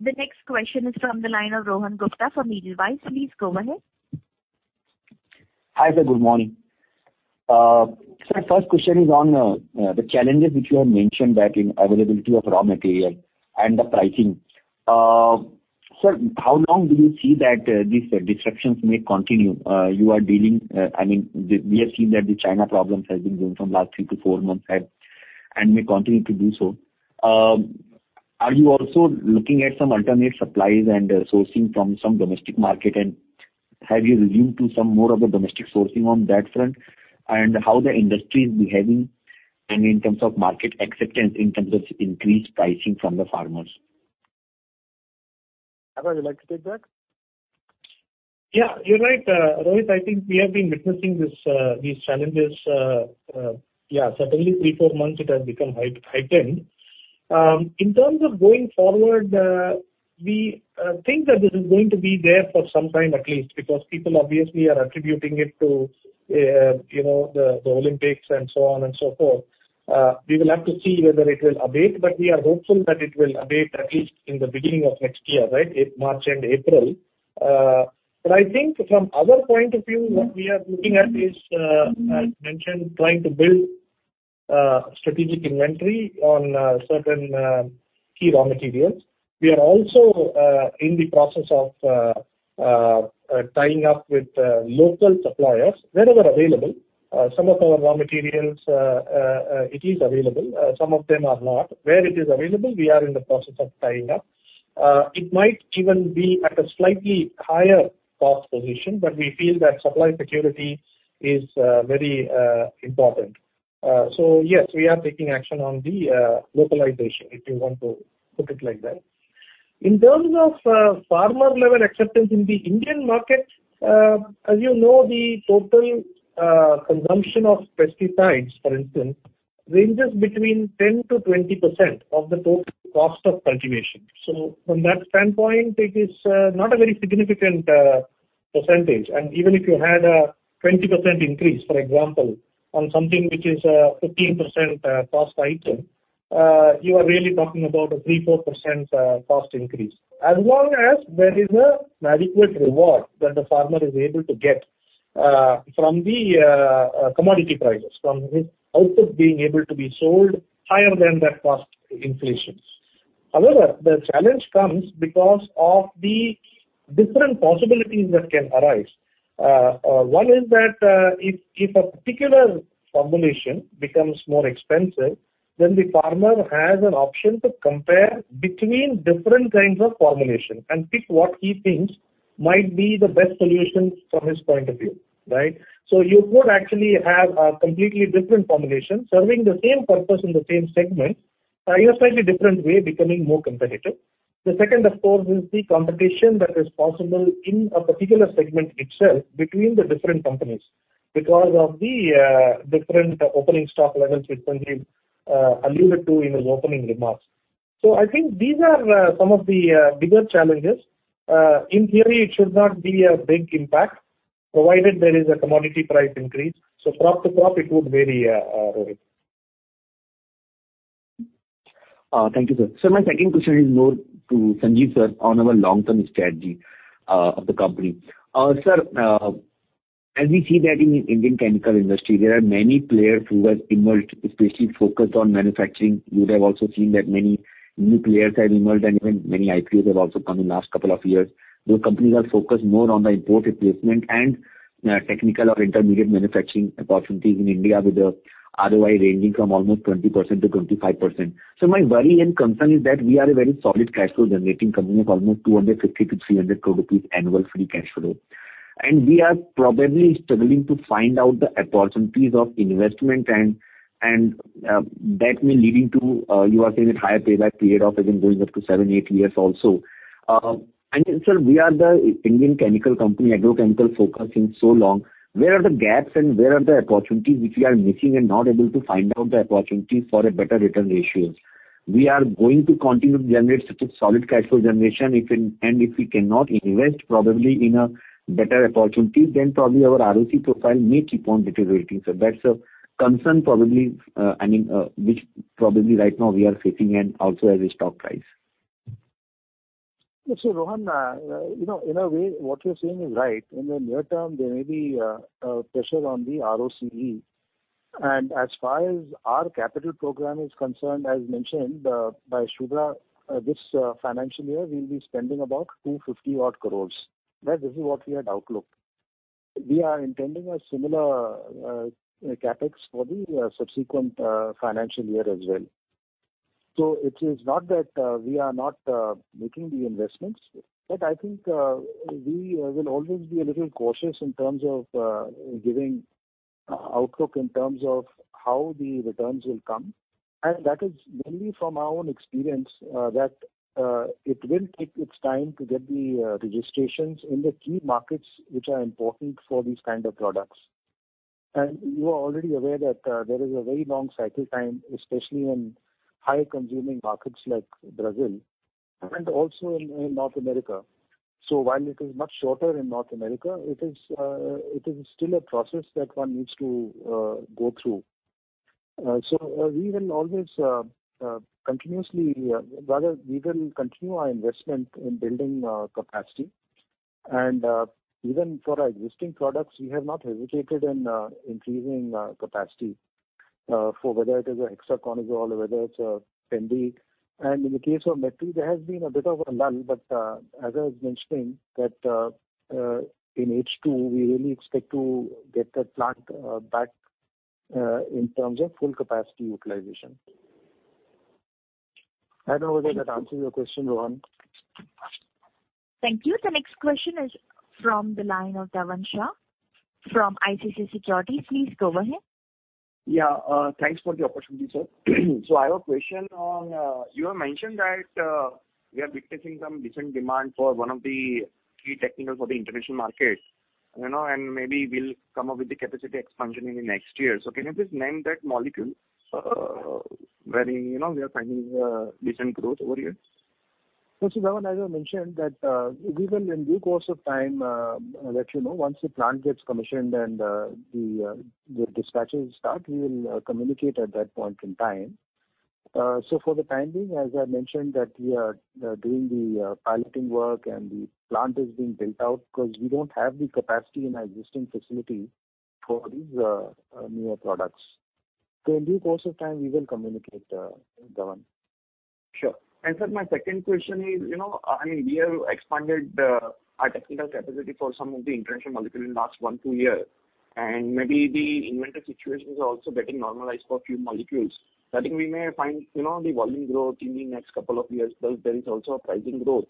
The next question is from the line of Rohan Gupta from Edelweiss. Please go ahead. Hi there. Good morning. First question is on the challenges which you have mentioned that unavailability of raw material and the pricing. How long do you see that these disruptions may continue? I mean, we have seen that the China problems has been going from last three to four months and may continue to do so. Are you also looking at some alternate supplies and sourcing from some domestic market? Have you resorted to some more of a domestic sourcing on that front? How the industry is behaving, I mean, in terms of market acceptance, in terms of increased pricing from the farmers? Abha, would you like to take that? Yeah, you're right. Rohit, I think we have been witnessing this, these challenges, certainly three, four months it has become heightened. In terms of going forward, we think that this is going to be there for some time at least, because people obviously are attributing it to, you know, the Olympics and so on and so forth. We will have to see whether it will abate, but we are hopeful that it will abate at least in the beginning of next year, right? March and April. I think from our point of view, what we are looking at is, as mentioned, trying to build strategic inventory on certain key raw materials. We are also in the process of tying up with local suppliers wherever available. Some of our raw materials, it is available, some of them are not. Where it is available, we are in the process of tying up. It might even be at a slightly higher cost position, but we feel that supply security is very important. Yes, we are taking action on the localization, if you want to put it like that. In terms of farmer level acceptance in the Indian market, as you know, the total consumption of pesticides, for instance, ranges between 10%-20% of the total cost of cultivation. From that standpoint, it is not a very significant percentage. Even if you had a 20% increase, for example, on something which is 15% cost item, you are really talking about a 3%-4% cost increase. As long as there is an adequate reward that the farmer is able to get from the commodity prices, from his output being able to be sold higher than that cost inflation. However, the challenge comes because of the different possibilities that can arise. One is that if a particular formulation becomes more expensive, then the farmer has an option to compare between different kinds of formulation and pick what he thinks might be the best solution from his point of view, right? You could actually have a completely different formulation serving the same purpose in the same segment, in a slightly different way, becoming more competitive. The second, of course, is the competition that is possible in a particular segment itself between the different companies because of the different opening stock levels which Sanjiv alluded to in his opening remarks. I think these are some of the bigger challenges. In theory, it should not be a big impact, provided there is a commodity price increase. Crop to crop it would vary, Rohit. Thank you, sir. My second question is more to Sanjiv, sir, on our long-term strategy of the company. Sir, as we see that in Indian chemical industry, there are many players who have emerged, especially focused on manufacturing. You'd have also seen that many new players have emerged and even many IPOs have also come in last couple of years. Those companies are focused more on the import replacement and technical or intermediate manufacturing opportunities in India with the ROI ranging from almost 20%-25%. My worry and concern is that we are a very solid cash flow generating company of almost 250 crore-300 crore rupees annual free cash flow. We are probably struggling to find out the opportunities of investment and that may leading to higher payback period of even going up to 7-8 years also. Sir, we are the Indian chemical company, agrochemical focused for so long. Where are the gaps and where are the opportunities which we are missing and not able to find out the opportunities for a better return ratios? We are going to continue to generate such a solid cash flow generation if we cannot invest probably in a better opportunity, then probably our ROC profile may keep on deteriorating. That's a concern probably which probably right now we are facing and also as a stock price. Rohan, you know, in a way what you're saying is right. In the near term, there may be pressure on the ROCE. As far as our capital program is concerned, as mentioned by Subhra, this financial year we'll be spending about 250-odd crore, right? This is what we had outlooked. We are intending a similar CapEx for the subsequent financial year as well. It is not that we are not making the investments, but I think we will always be a little cautious in terms of giving outlook in terms of how the returns will come. That is mainly from our own experience that it will take its time to get the registrations in the key markets which are important for these kind of products. You are already aware that there is a very long cycle time, especially in high consuming markets like Brazil and also in North America. While it is much shorter in North America, it is still a process that one needs to go through. We will continue our investment in building capacity. Even for our existing products, we have not hesitated in increasing capacity for whether it is a hexaconazole or whether it's pendimethalin. In the case of Metri, there has been a bit of a lull, but as I was mentioning that in H2, we really expect to get that plant back in terms of full capacity utilization. I don't know whether that answers your question, Rohan. Thank you. The next question is from the line of Dhavan Shah from ICICI Securities. Please go ahead. Yeah. Thanks for the opportunity, sir. I have a question on, you have mentioned that, we are witnessing some decent demand for one of the key technical for the international markets. You know, and maybe we'll come up with the capacity expansion in the next year. Can you please name that molecule, where, you know, we are finding, decent growth over here? Dhavan, as I mentioned that, we will in due course of time, let you know once the plant gets commissioned and, the dispatches start, we will communicate at that point in time. For the time being, as I mentioned that we are, doing the piloting work and the plant is being built out because we don't have the capacity in our existing facility for these newer products. In due course of time, we will communicate, Dhavan. Sure. Sir, my second question is, you know, I mean, we have expanded our technical capacity for some of the international molecules in last one to two years, and maybe the inventory situations are also getting normalized for a few molecules. I think we may find, you know, the volume growth in the next couple of years. There is also a pricing growth.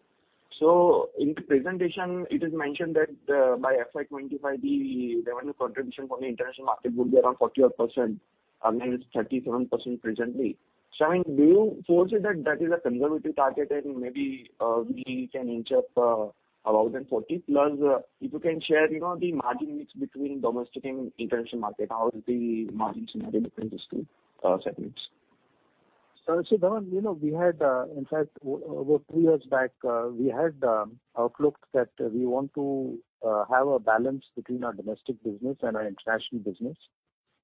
In the presentation it is mentioned that by FY 2025 the revenue contribution from the international market would be around 40-odd% and it is 37% presently. I mean, do you foresee that that is a conservative target and maybe we can inch up above the 40? Plus, if you can share, you know, the margin mix between domestic and international market, how the margins may be different these two segments. Dhavan, you know, we had, in fact, over two years back, we had outlooked that we want to have a balance between our domestic business and our international business.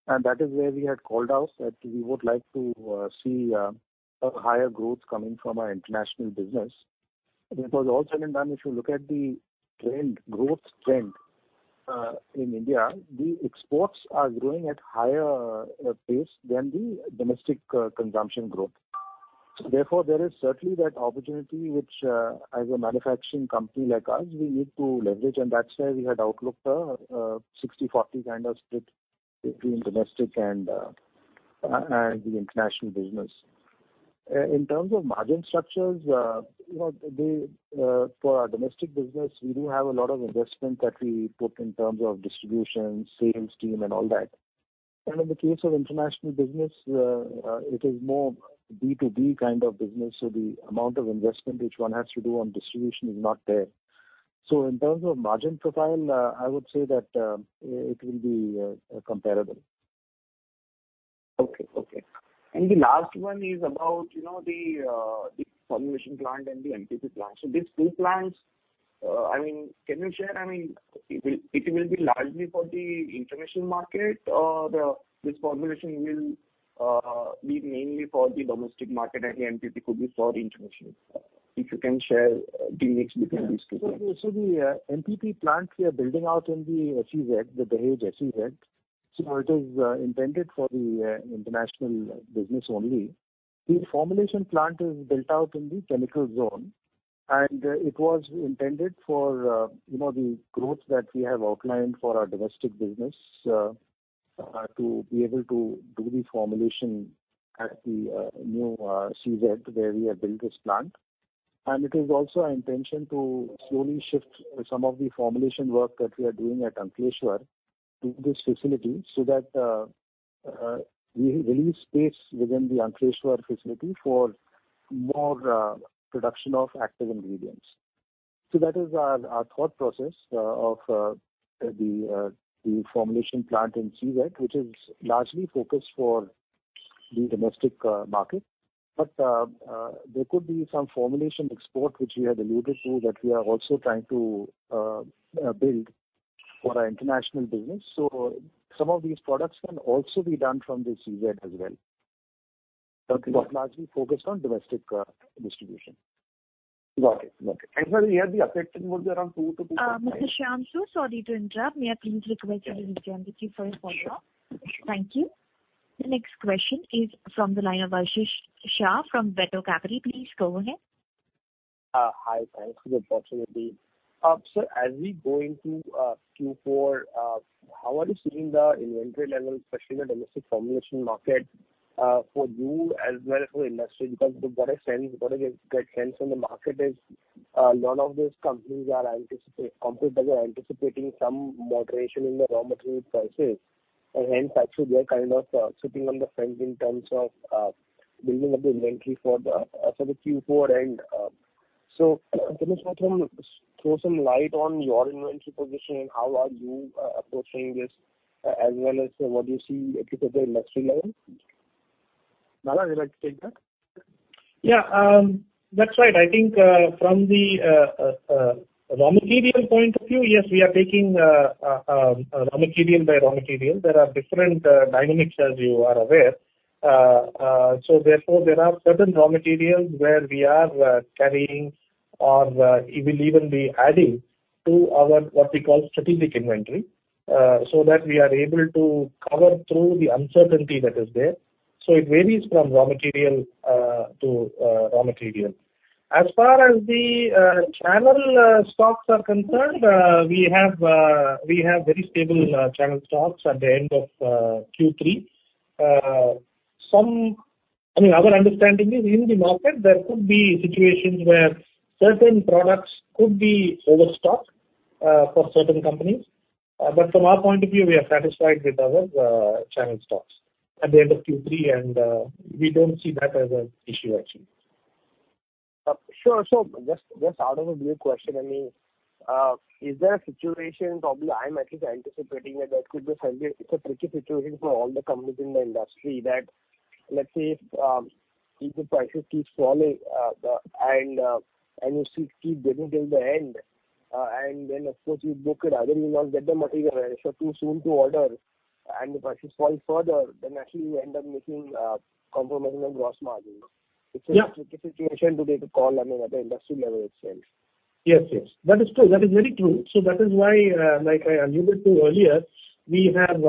That is where we had called out that we would like to see a higher growth coming from our international business. Because all said and done, if you look at the trend, growth trend, in India, the exports are growing at higher pace than the domestic consumption growth. Therefore, there is certainly that opportunity which, as a manufacturing company like us, we need to leverage, and that's why we had outlooked a 60/40 kind of split between domestic and the international business. In terms of margin structures, you know, for our domestic business, we do have a lot of investment that we put in terms of distribution, sales team and all that. In the case of international business, it is more B2B kind of business. The amount of investment which one has to do on distribution is not there. In terms of margin profile, I would say that it will be comparable. The last one is about, you know, the formulation plant and the MPP plant. These two plants, I mean, can you share, I mean, it will be largely for the international market, or this formulation will be mainly for the domestic market and the MPP could be for the international. If you can share the mix between these two plants. The MPP plant we are building out in the SEZ, the Dahej SEZ. It is intended for the international business only. The formulation plant is built out in the chemical zone, and it was intended for you know, the growth that we have outlined for our domestic business to be able to do the formulation at the new SEZ where we have built this plant. It is also our intention to slowly shift some of the formulation work that we are doing at Ankleshwar to this facility so that we release space within the Ankleshwar facility for more production of active ingredients. That is our thought process of the formulation plant in SEZ, which is largely focused for the domestic market. there could be some formulation export which we had alluded to that we are also trying to build for our international business. some of these products can also be done from the SEZ as well. Okay. Largely focused on domestic distribution. Got it. Sir, we have the update in both around two to three- Mr. Shah, I'm Sorry to interrupt. May I please request you to mute your microphone for now? Thank you. The next question is from the line of Ashish Shah from Vector Capital. Please go ahead. Hi. Thanks for the opportunity. So as we go into Q4, how are you seeing the inventory levels, especially in the domestic formulation market, for you as well as for industry? Because we've got a good sense from the market, none of those competitors are anticipating some moderation in the raw material prices. Hence actually they are kind of sitting on the fence in terms of building up the inventory for the Q4 end. So can you throw some light on your inventory position and how are you approaching this as well as what you see at the industry level? Nagarajan, would you like to take that? Yeah. That's right. I think from the raw material point of view, yes, we are taking raw material by raw material. There are different dynamics as you are aware. Therefore, there are certain raw materials where we are carrying or we will even be adding to our what we call strategic inventory so that we are able to cover through the uncertainty that is there. It varies from raw material to raw material. As far as the channel stocks are concerned, we have very stable channel stocks at the end of Q3. Some, I mean, our understanding is in the market there could be situations where certain products could be overstocked for certain companies. From our point of view, we are satisfied with our channel stocks at the end of Q3, and we don't see that as an issue actually. Just out of a brief question, I mean, is there a situation probably I'm at least anticipating that could be a subject. It's a tricky situation for all the companies in the industry that, let's say if the prices keep falling, and you see keep getting till the end, and then of course you book it. Otherwise you'll not get the material and it's too soon to order. If prices fall further, then actually you end up compromising on gross margin. Yeah. It's a tricky situation today to call, I mean, at the industry level itself. Yes, yes. That is true. That is very true. That is why, like I alluded to earlier, we have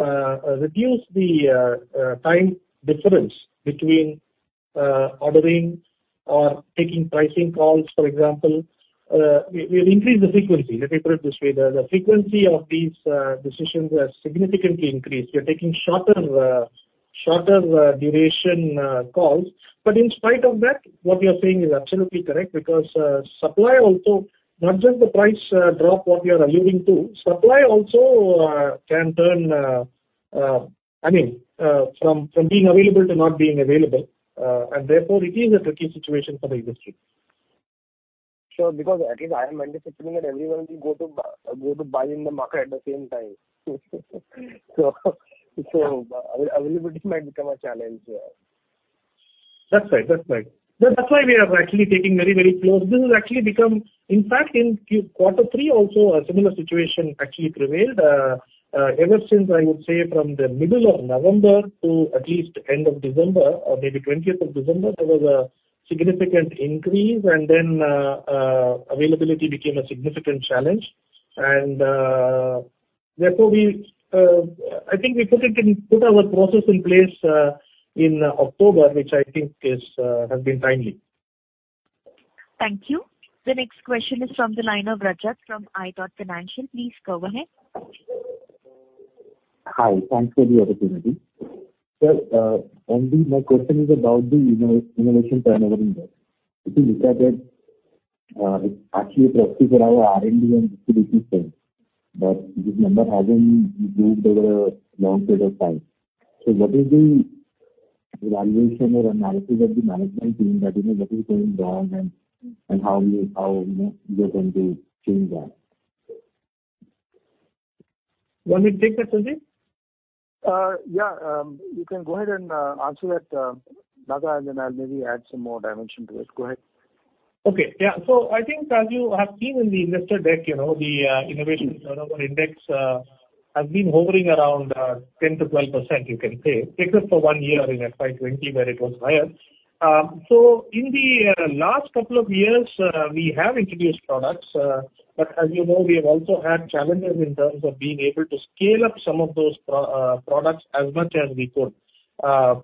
reduced the time difference between ordering or taking pricing calls, for example. We've increased the frequency. Let me put it this way, the frequency of these decisions have significantly increased. We're taking shorter duration calls. In spite of that, what you're saying is absolutely correct, because supply also not just the price drop what you are alluding to. Supply also can turn, I mean, from being available to not being available. Therefore, it is a tricky situation for the industry. Sure. Because at least I am anticipating that everyone will go to buy in the market at the same time. Availability might become a challenge there. That's right. That's why we are actually taking very, very close. This has actually become. In fact, in quarter three also a similar situation actually prevailed. Ever since, I would say from the middle of November to at least end of December or maybe twentieth of December, there was a significant increase, and then, availability became a significant challenge. Therefore we, I think we put our process in place, in October, which I think has been timely. Thank you. The next question is from the line of Rajat from. [inaudible] Please go ahead. Hi. Thanks for the opportunity. Sir, my question is about the innovation turnover index. If you look at it's actually a proxy for our R&D and distribution spend. This number hasn't moved over a long period of time. What is the evaluation or analysis of the management team that, you know, what is going wrong and how you know, you are going to change that? You want me to take that, Sanjiv? Yeah. You can go ahead and answer that, Rajat, and I'll maybe add some more dimension to it. Go ahead. Okay. Yeah. I think as you have seen in the investor deck, you know, the innovation turnover index has been hovering around 10%-12%, you can say, except for one year in FY 2020 where it was higher. In the last couple of years, we have introduced products, but as you know, we have also had challenges in terms of being able to scale up some of those products as much as we could.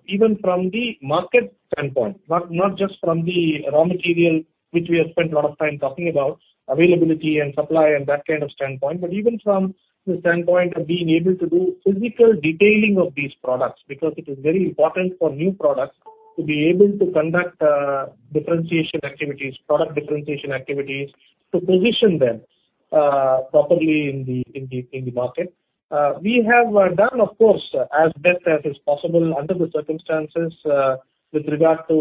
Even from the market standpoint, not just from the raw material, which we have spent a lot of time talking about availability and supply and that kind of standpoint. Even from the standpoint of being able to do physical detailing of these products, because it is very important for new products to be able to conduct differentiation activities, product differentiation activities to position them properly in the market. We have done of course as best as is possible under the circumstances with regard to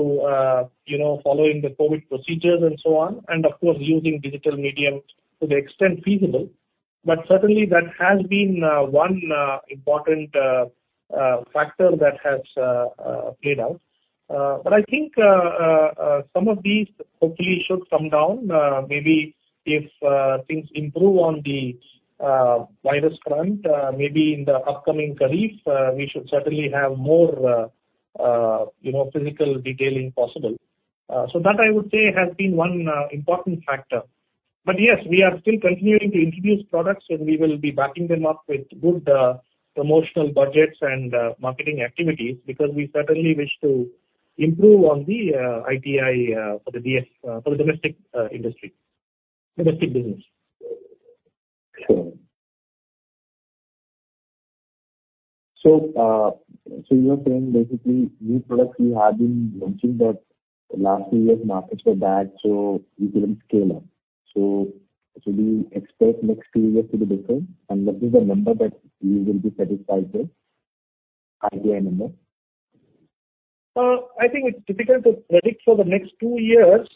you know following the COVID procedures and so on, and of course using digital medium to the extent feasible. Certainly that has been one important factor that has played out. I think some of these hopefully should come down maybe if things improve on the virus front, maybe in the upcoming kharif we should certainly have more you know physical detailing possible. That I would say has been one important factor. Yes, we are still continuing to introduce products, and we will be backing them up with good promotional budgets and marketing activities because we certainly wish to improve on the ITI for the DS for the domestic industry, domestic business. Sure. You are saying basically new products you have been launching, but last few years markets were bad, so you couldn't scale up. Do you expect next two years to be different? And what is the number that you will be satisfied with? IRR number. I think it's difficult to predict for the next two years.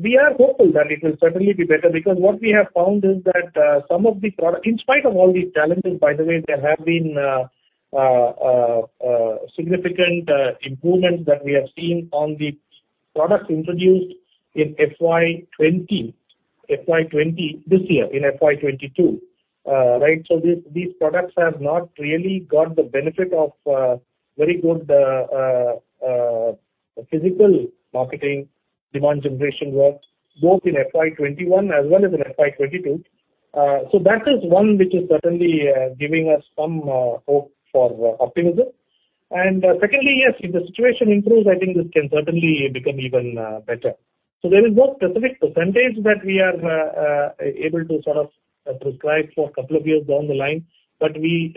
We are hopeful that it will certainly be better because what we have found is that, in spite of all these challenges, by the way, there have been significant improvements that we have seen on the products introduced in FY 2020, this year in FY 2022. Right. So these products have not really got the benefit of very good field marketing demand generation work, both in FY 2021 as well as in FY 2022. So that is one which is certainly giving us some hope for optimism. Secondly, yes, if the situation improves, I think this can certainly become even better. There is no specific percentage that we are able to sort of prescribe for a couple of years down the line, but we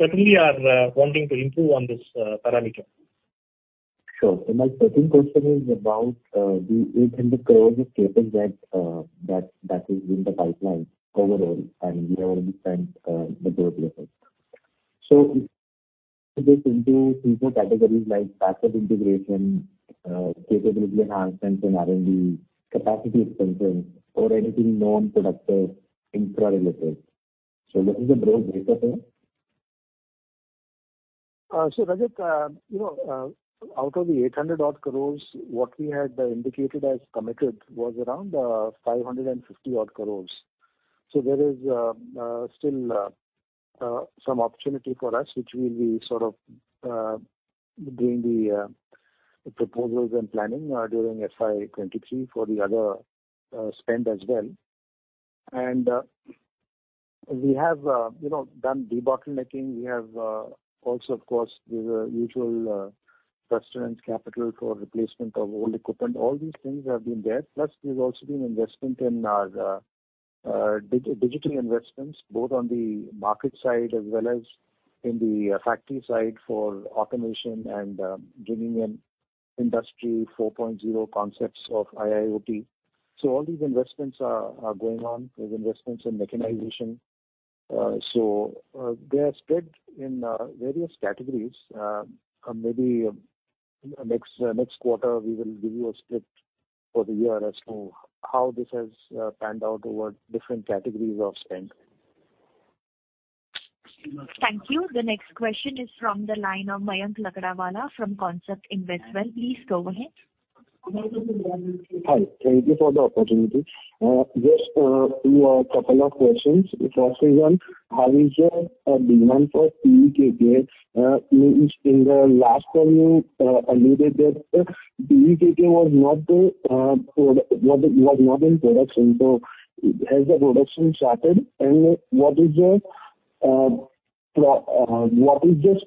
certainly are wanting to improve on this parameter. Sure. My second question is about the R&D curve, the capital spend that is in the pipeline overall and year-over-year spend, the growth rate. Break this into three categories like backward integration, capability enhancements and R&D, capacity expansion or anything non-productive infra-related. This is a broad breakup here. Rajat, you know, out of the 800 odd crores, what we had indicated as committed was around 550 odd crores. There is still some opportunity for us, which we will be sort of doing the proposals and planning during FY 2023 for the other spend as well. We have, you know, done debottlenecking. We have also of course the usual sustenance capital for replacement of old equipment. All these things have been there. Plus there's also been investment in our digital investments, both on the market side as well as in the factory side for automation and bringing in industry 4.0 concepts of IIoT. All these investments are going on. There's investments in mechanization. They are spread in various categories. Maybe next quarter we will give you a script for the year as to how this has panned out over different categories of spend. Thank you. The next question is from the line of Mayank Lakdawala from Concept Investwell. Please go ahead. Hi. Thank you for the opportunity. Just two couple of questions. The first one, how is your demand for PEKK? In the last term, you alluded that PEKK was not in production. Has the production started? What is the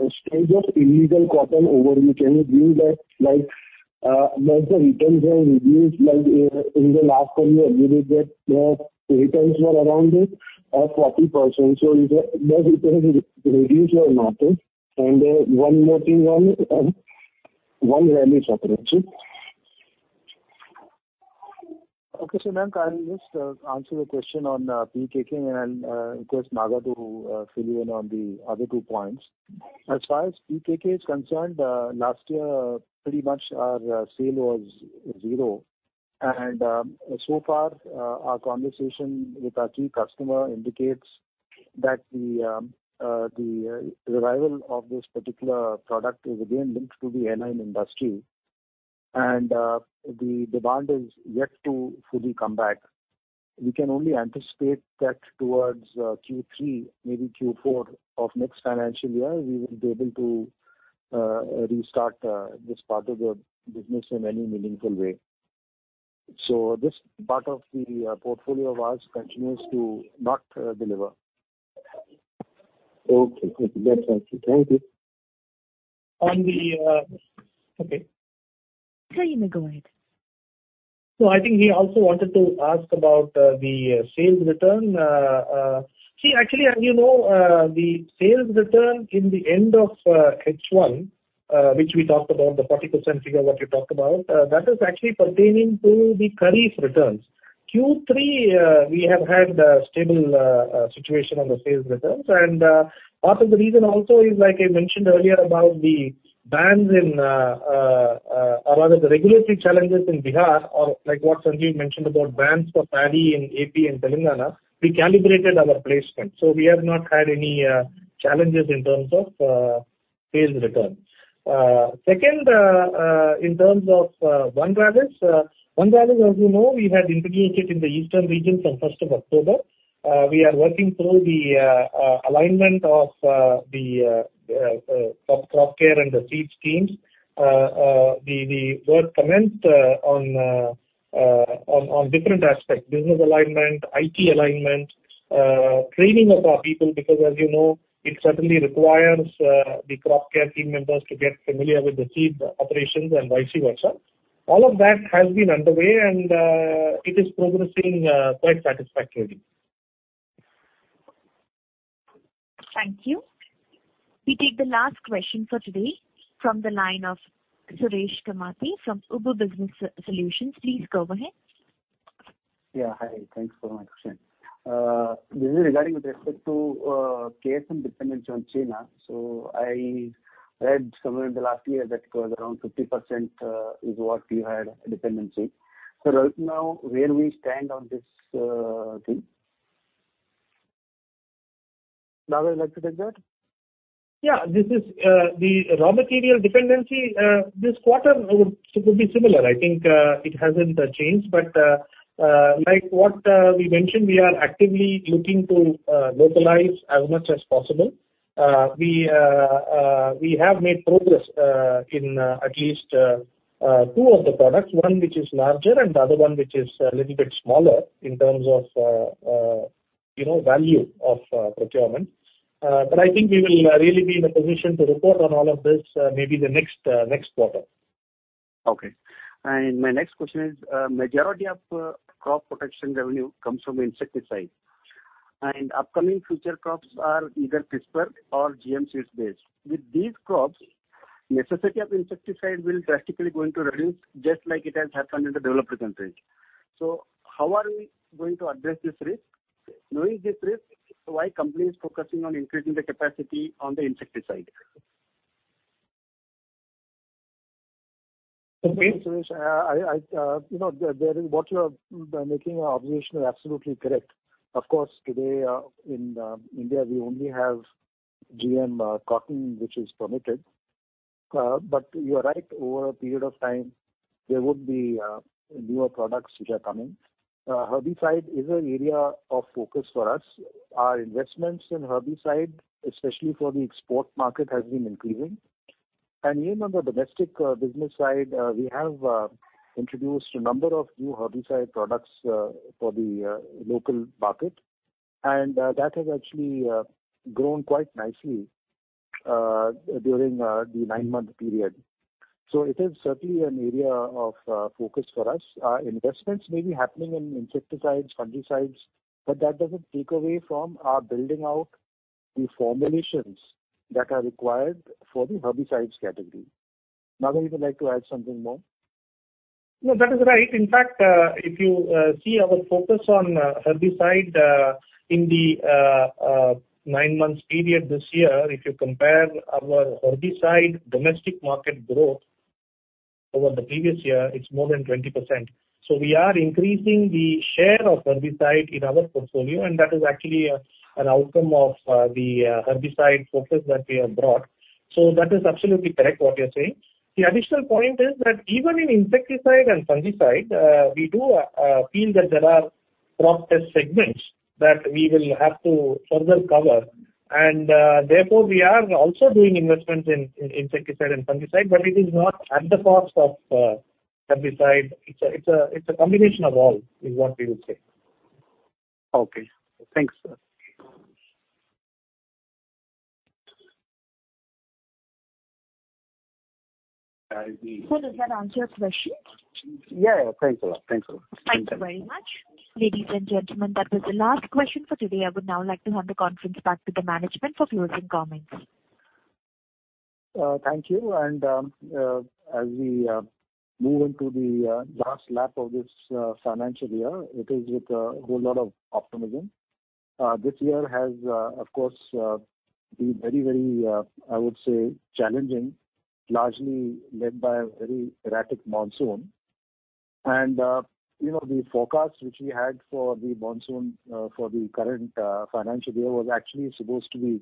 stage of illegal cotton over? Can you give that like the returns have reduced, like in the last term you alluded that returns were around 40%. Is the returns reduced or not? One more thing on One Rallis. Okay. Mayank, I'll just answer the question on PEKK and, of course, Naga to fill you in on the other two points. As far as PEKK is concerned, last year pretty much our sale was zero. so far, our conversation with our key customer indicates that the revival of this particular product is again linked to the airline industry, and the demand is yet to fully come back. We can only anticipate that towards Q3, maybe Q4 of next financial year, we will be able to restart this part of the business in any meaningful way. this part of the portfolio of ours continues to not deliver. Okay. Yeah. Thank you. Okay. Sure, Naga. Go ahead. I think he also wanted to ask about the sales return. See, actually, as you know, the sales return in the end of H1, which we talked about the 40% figure what you talked about, that is actually pertaining to the kharif's returns. Q3, we have had a stable situation on the sales returns. Part of the reason also is, like I mentioned earlier about the bans in, rather the regulatory challenges in Bihar or like what Sanjiv Lal mentioned about bans for paddy in AP and Telangana. We calibrated our placement, so we have not had any challenges in terms of sales return. Second, in terms of One Rallis. One Rallis, as you know, we had indicated in the eastern region from first of October. We are working through the alignment of the crop care and the seed schemes. The work commenced on different aspects, business alignment, IT alignment, training of our people, because as you know, it certainly requires the crop care team members to get familiar with the seed operations and vice versa. All of that has been underway and it is progressing quite satisfactorily. Thank you. We take the last question for today from the line of Suresh Kamathi from UBS. Please go ahead. Yeah. Hi. Thanks for the question. This is regarding with respect to KSM dependency on China. I read somewhere in the last year that it was around 50%, is what you had dependency. Right now, where we stand on this thing? Naga, would you like to take that? Yeah. This is the raw material dependency this quarter. It would, it could be similar. I think it hasn't changed. Like what we mentioned, we are actively looking to localize as much as possible. We have made progress in at least two of the products, one which is larger and the other one which is a little bit smaller in terms of, you know, value of procurement. I think we will really be in a position to report on all of this, maybe the next quarter. Okay. My next question is, majority of crop protection revenue comes from insecticide, and upcoming future crops are either CRISPR or GM seeds based. With these crops, necessity of insecticide will drastically going to reduce just like it has happened in the developed countries. How are we going to address this risk? Knowing this risk, why company is focusing on increasing the capacity on the insecticide? You know, the observation you are making is absolutely correct. Of course, today in India, we only have GM cotton, which is permitted. But you are right. Over a period of time, there would be newer products which are coming. Herbicide is an area of focus for us. Our investments in herbicide, especially for the export market, has been increasing. Even on the domestic business side, we have introduced a number of new herbicide products for the local market. That has actually grown quite nicely during the nine-month period. It is certainly an area of focus for us. Our investments may be happening in insecticides, fungicides, but that doesn't take away from our building out the formulations that are required for the herbicides category. Nagarajan, if you'd like to add something more. No, that is right. In fact, if you see our focus on herbicide in the nine-month period this year, if you compare our herbicide domestic market growth over the previous year, it's more than 20%. We are increasing the share of herbicide in our portfolio, and that is actually an outcome of the herbicide focus that we have brought. That is absolutely correct what you're saying. The additional point is that even in insecticide and fungicide, we do feel that there are product segments that we will have to further cover. Therefore, we are also doing investments in insecticide and fungicide, but it is not at the cost of herbicide. It's a combination of all, is what we would say. Okay. Thanks. Does that answer your question? Yeah. Thanks a lot. Thanks a lot. Thank you very much. Ladies and gentlemen, that was the last question for today. I would now like to hand the conference back to the management for closing comments. Thank you. As we move into the last lap of this financial year, it is with a whole lot of optimism. This year has, of course, been very challenging, largely led by a very erratic monsoon. You know, the forecast which we had for the monsoon, for the current financial year was actually supposed to be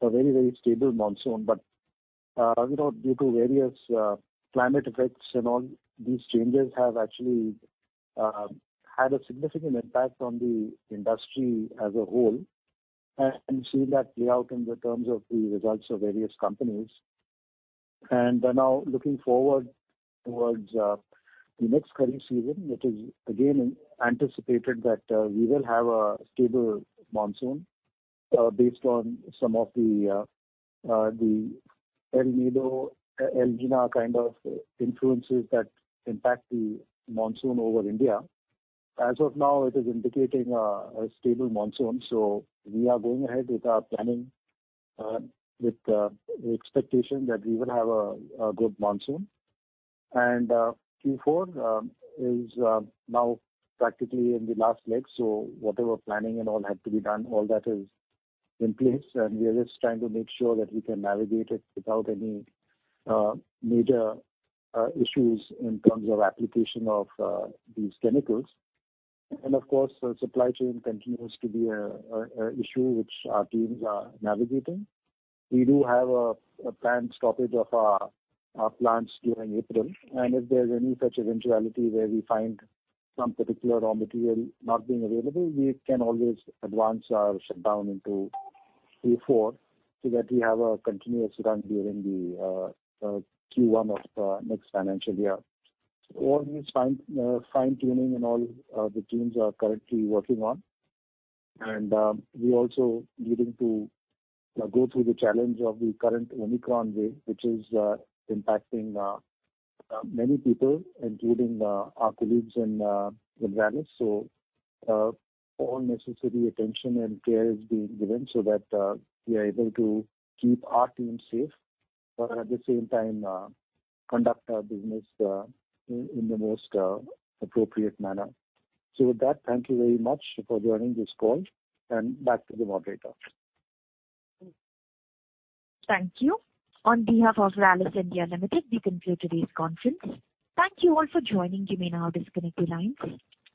a very stable monsoon. You know, due to various climate effects and all these changes have actually had a significant impact on the industry as a whole. We've seen that play out in terms of the results of various companies. We're now looking forward towards the next kharif season, which is again anticipated that we will have a stable monsoon, based on some of the El Niño, La Niña kind of influences that impact the monsoon over India. As of now, it is indicating a stable monsoon, so we are going ahead with our planning with the expectation that we will have a good monsoon. Q4 is now practically in the last leg, so whatever planning and all had to be done, all that is in place, and we are just trying to make sure that we can navigate it without any major issues in terms of application of these chemicals. Of course, the supply chain continues to be a issue which our teams are navigating. We do have a planned stoppage of our plants during April, and if there's any such eventuality where we find some particular raw material not being available, we can always advance our shutdown into Q4 so that we have a continuous run during the Q1 of next financial year. All these fine-tuning and all, the teams are currently working on. We also needing to go through the challenge of the current Omicron wave, which is impacting many people, including our colleagues in Rallis. All necessary attention and care is being given so that we are able to keep our team safe, but at the same time, conduct our business in the most appropriate manner. With that, thank you very much for joining this call. Back to the moderator. Thank you. On behalf of Rallis India Limited, we conclude today's conference. Thank you all for joining. You may now disconnect your lines.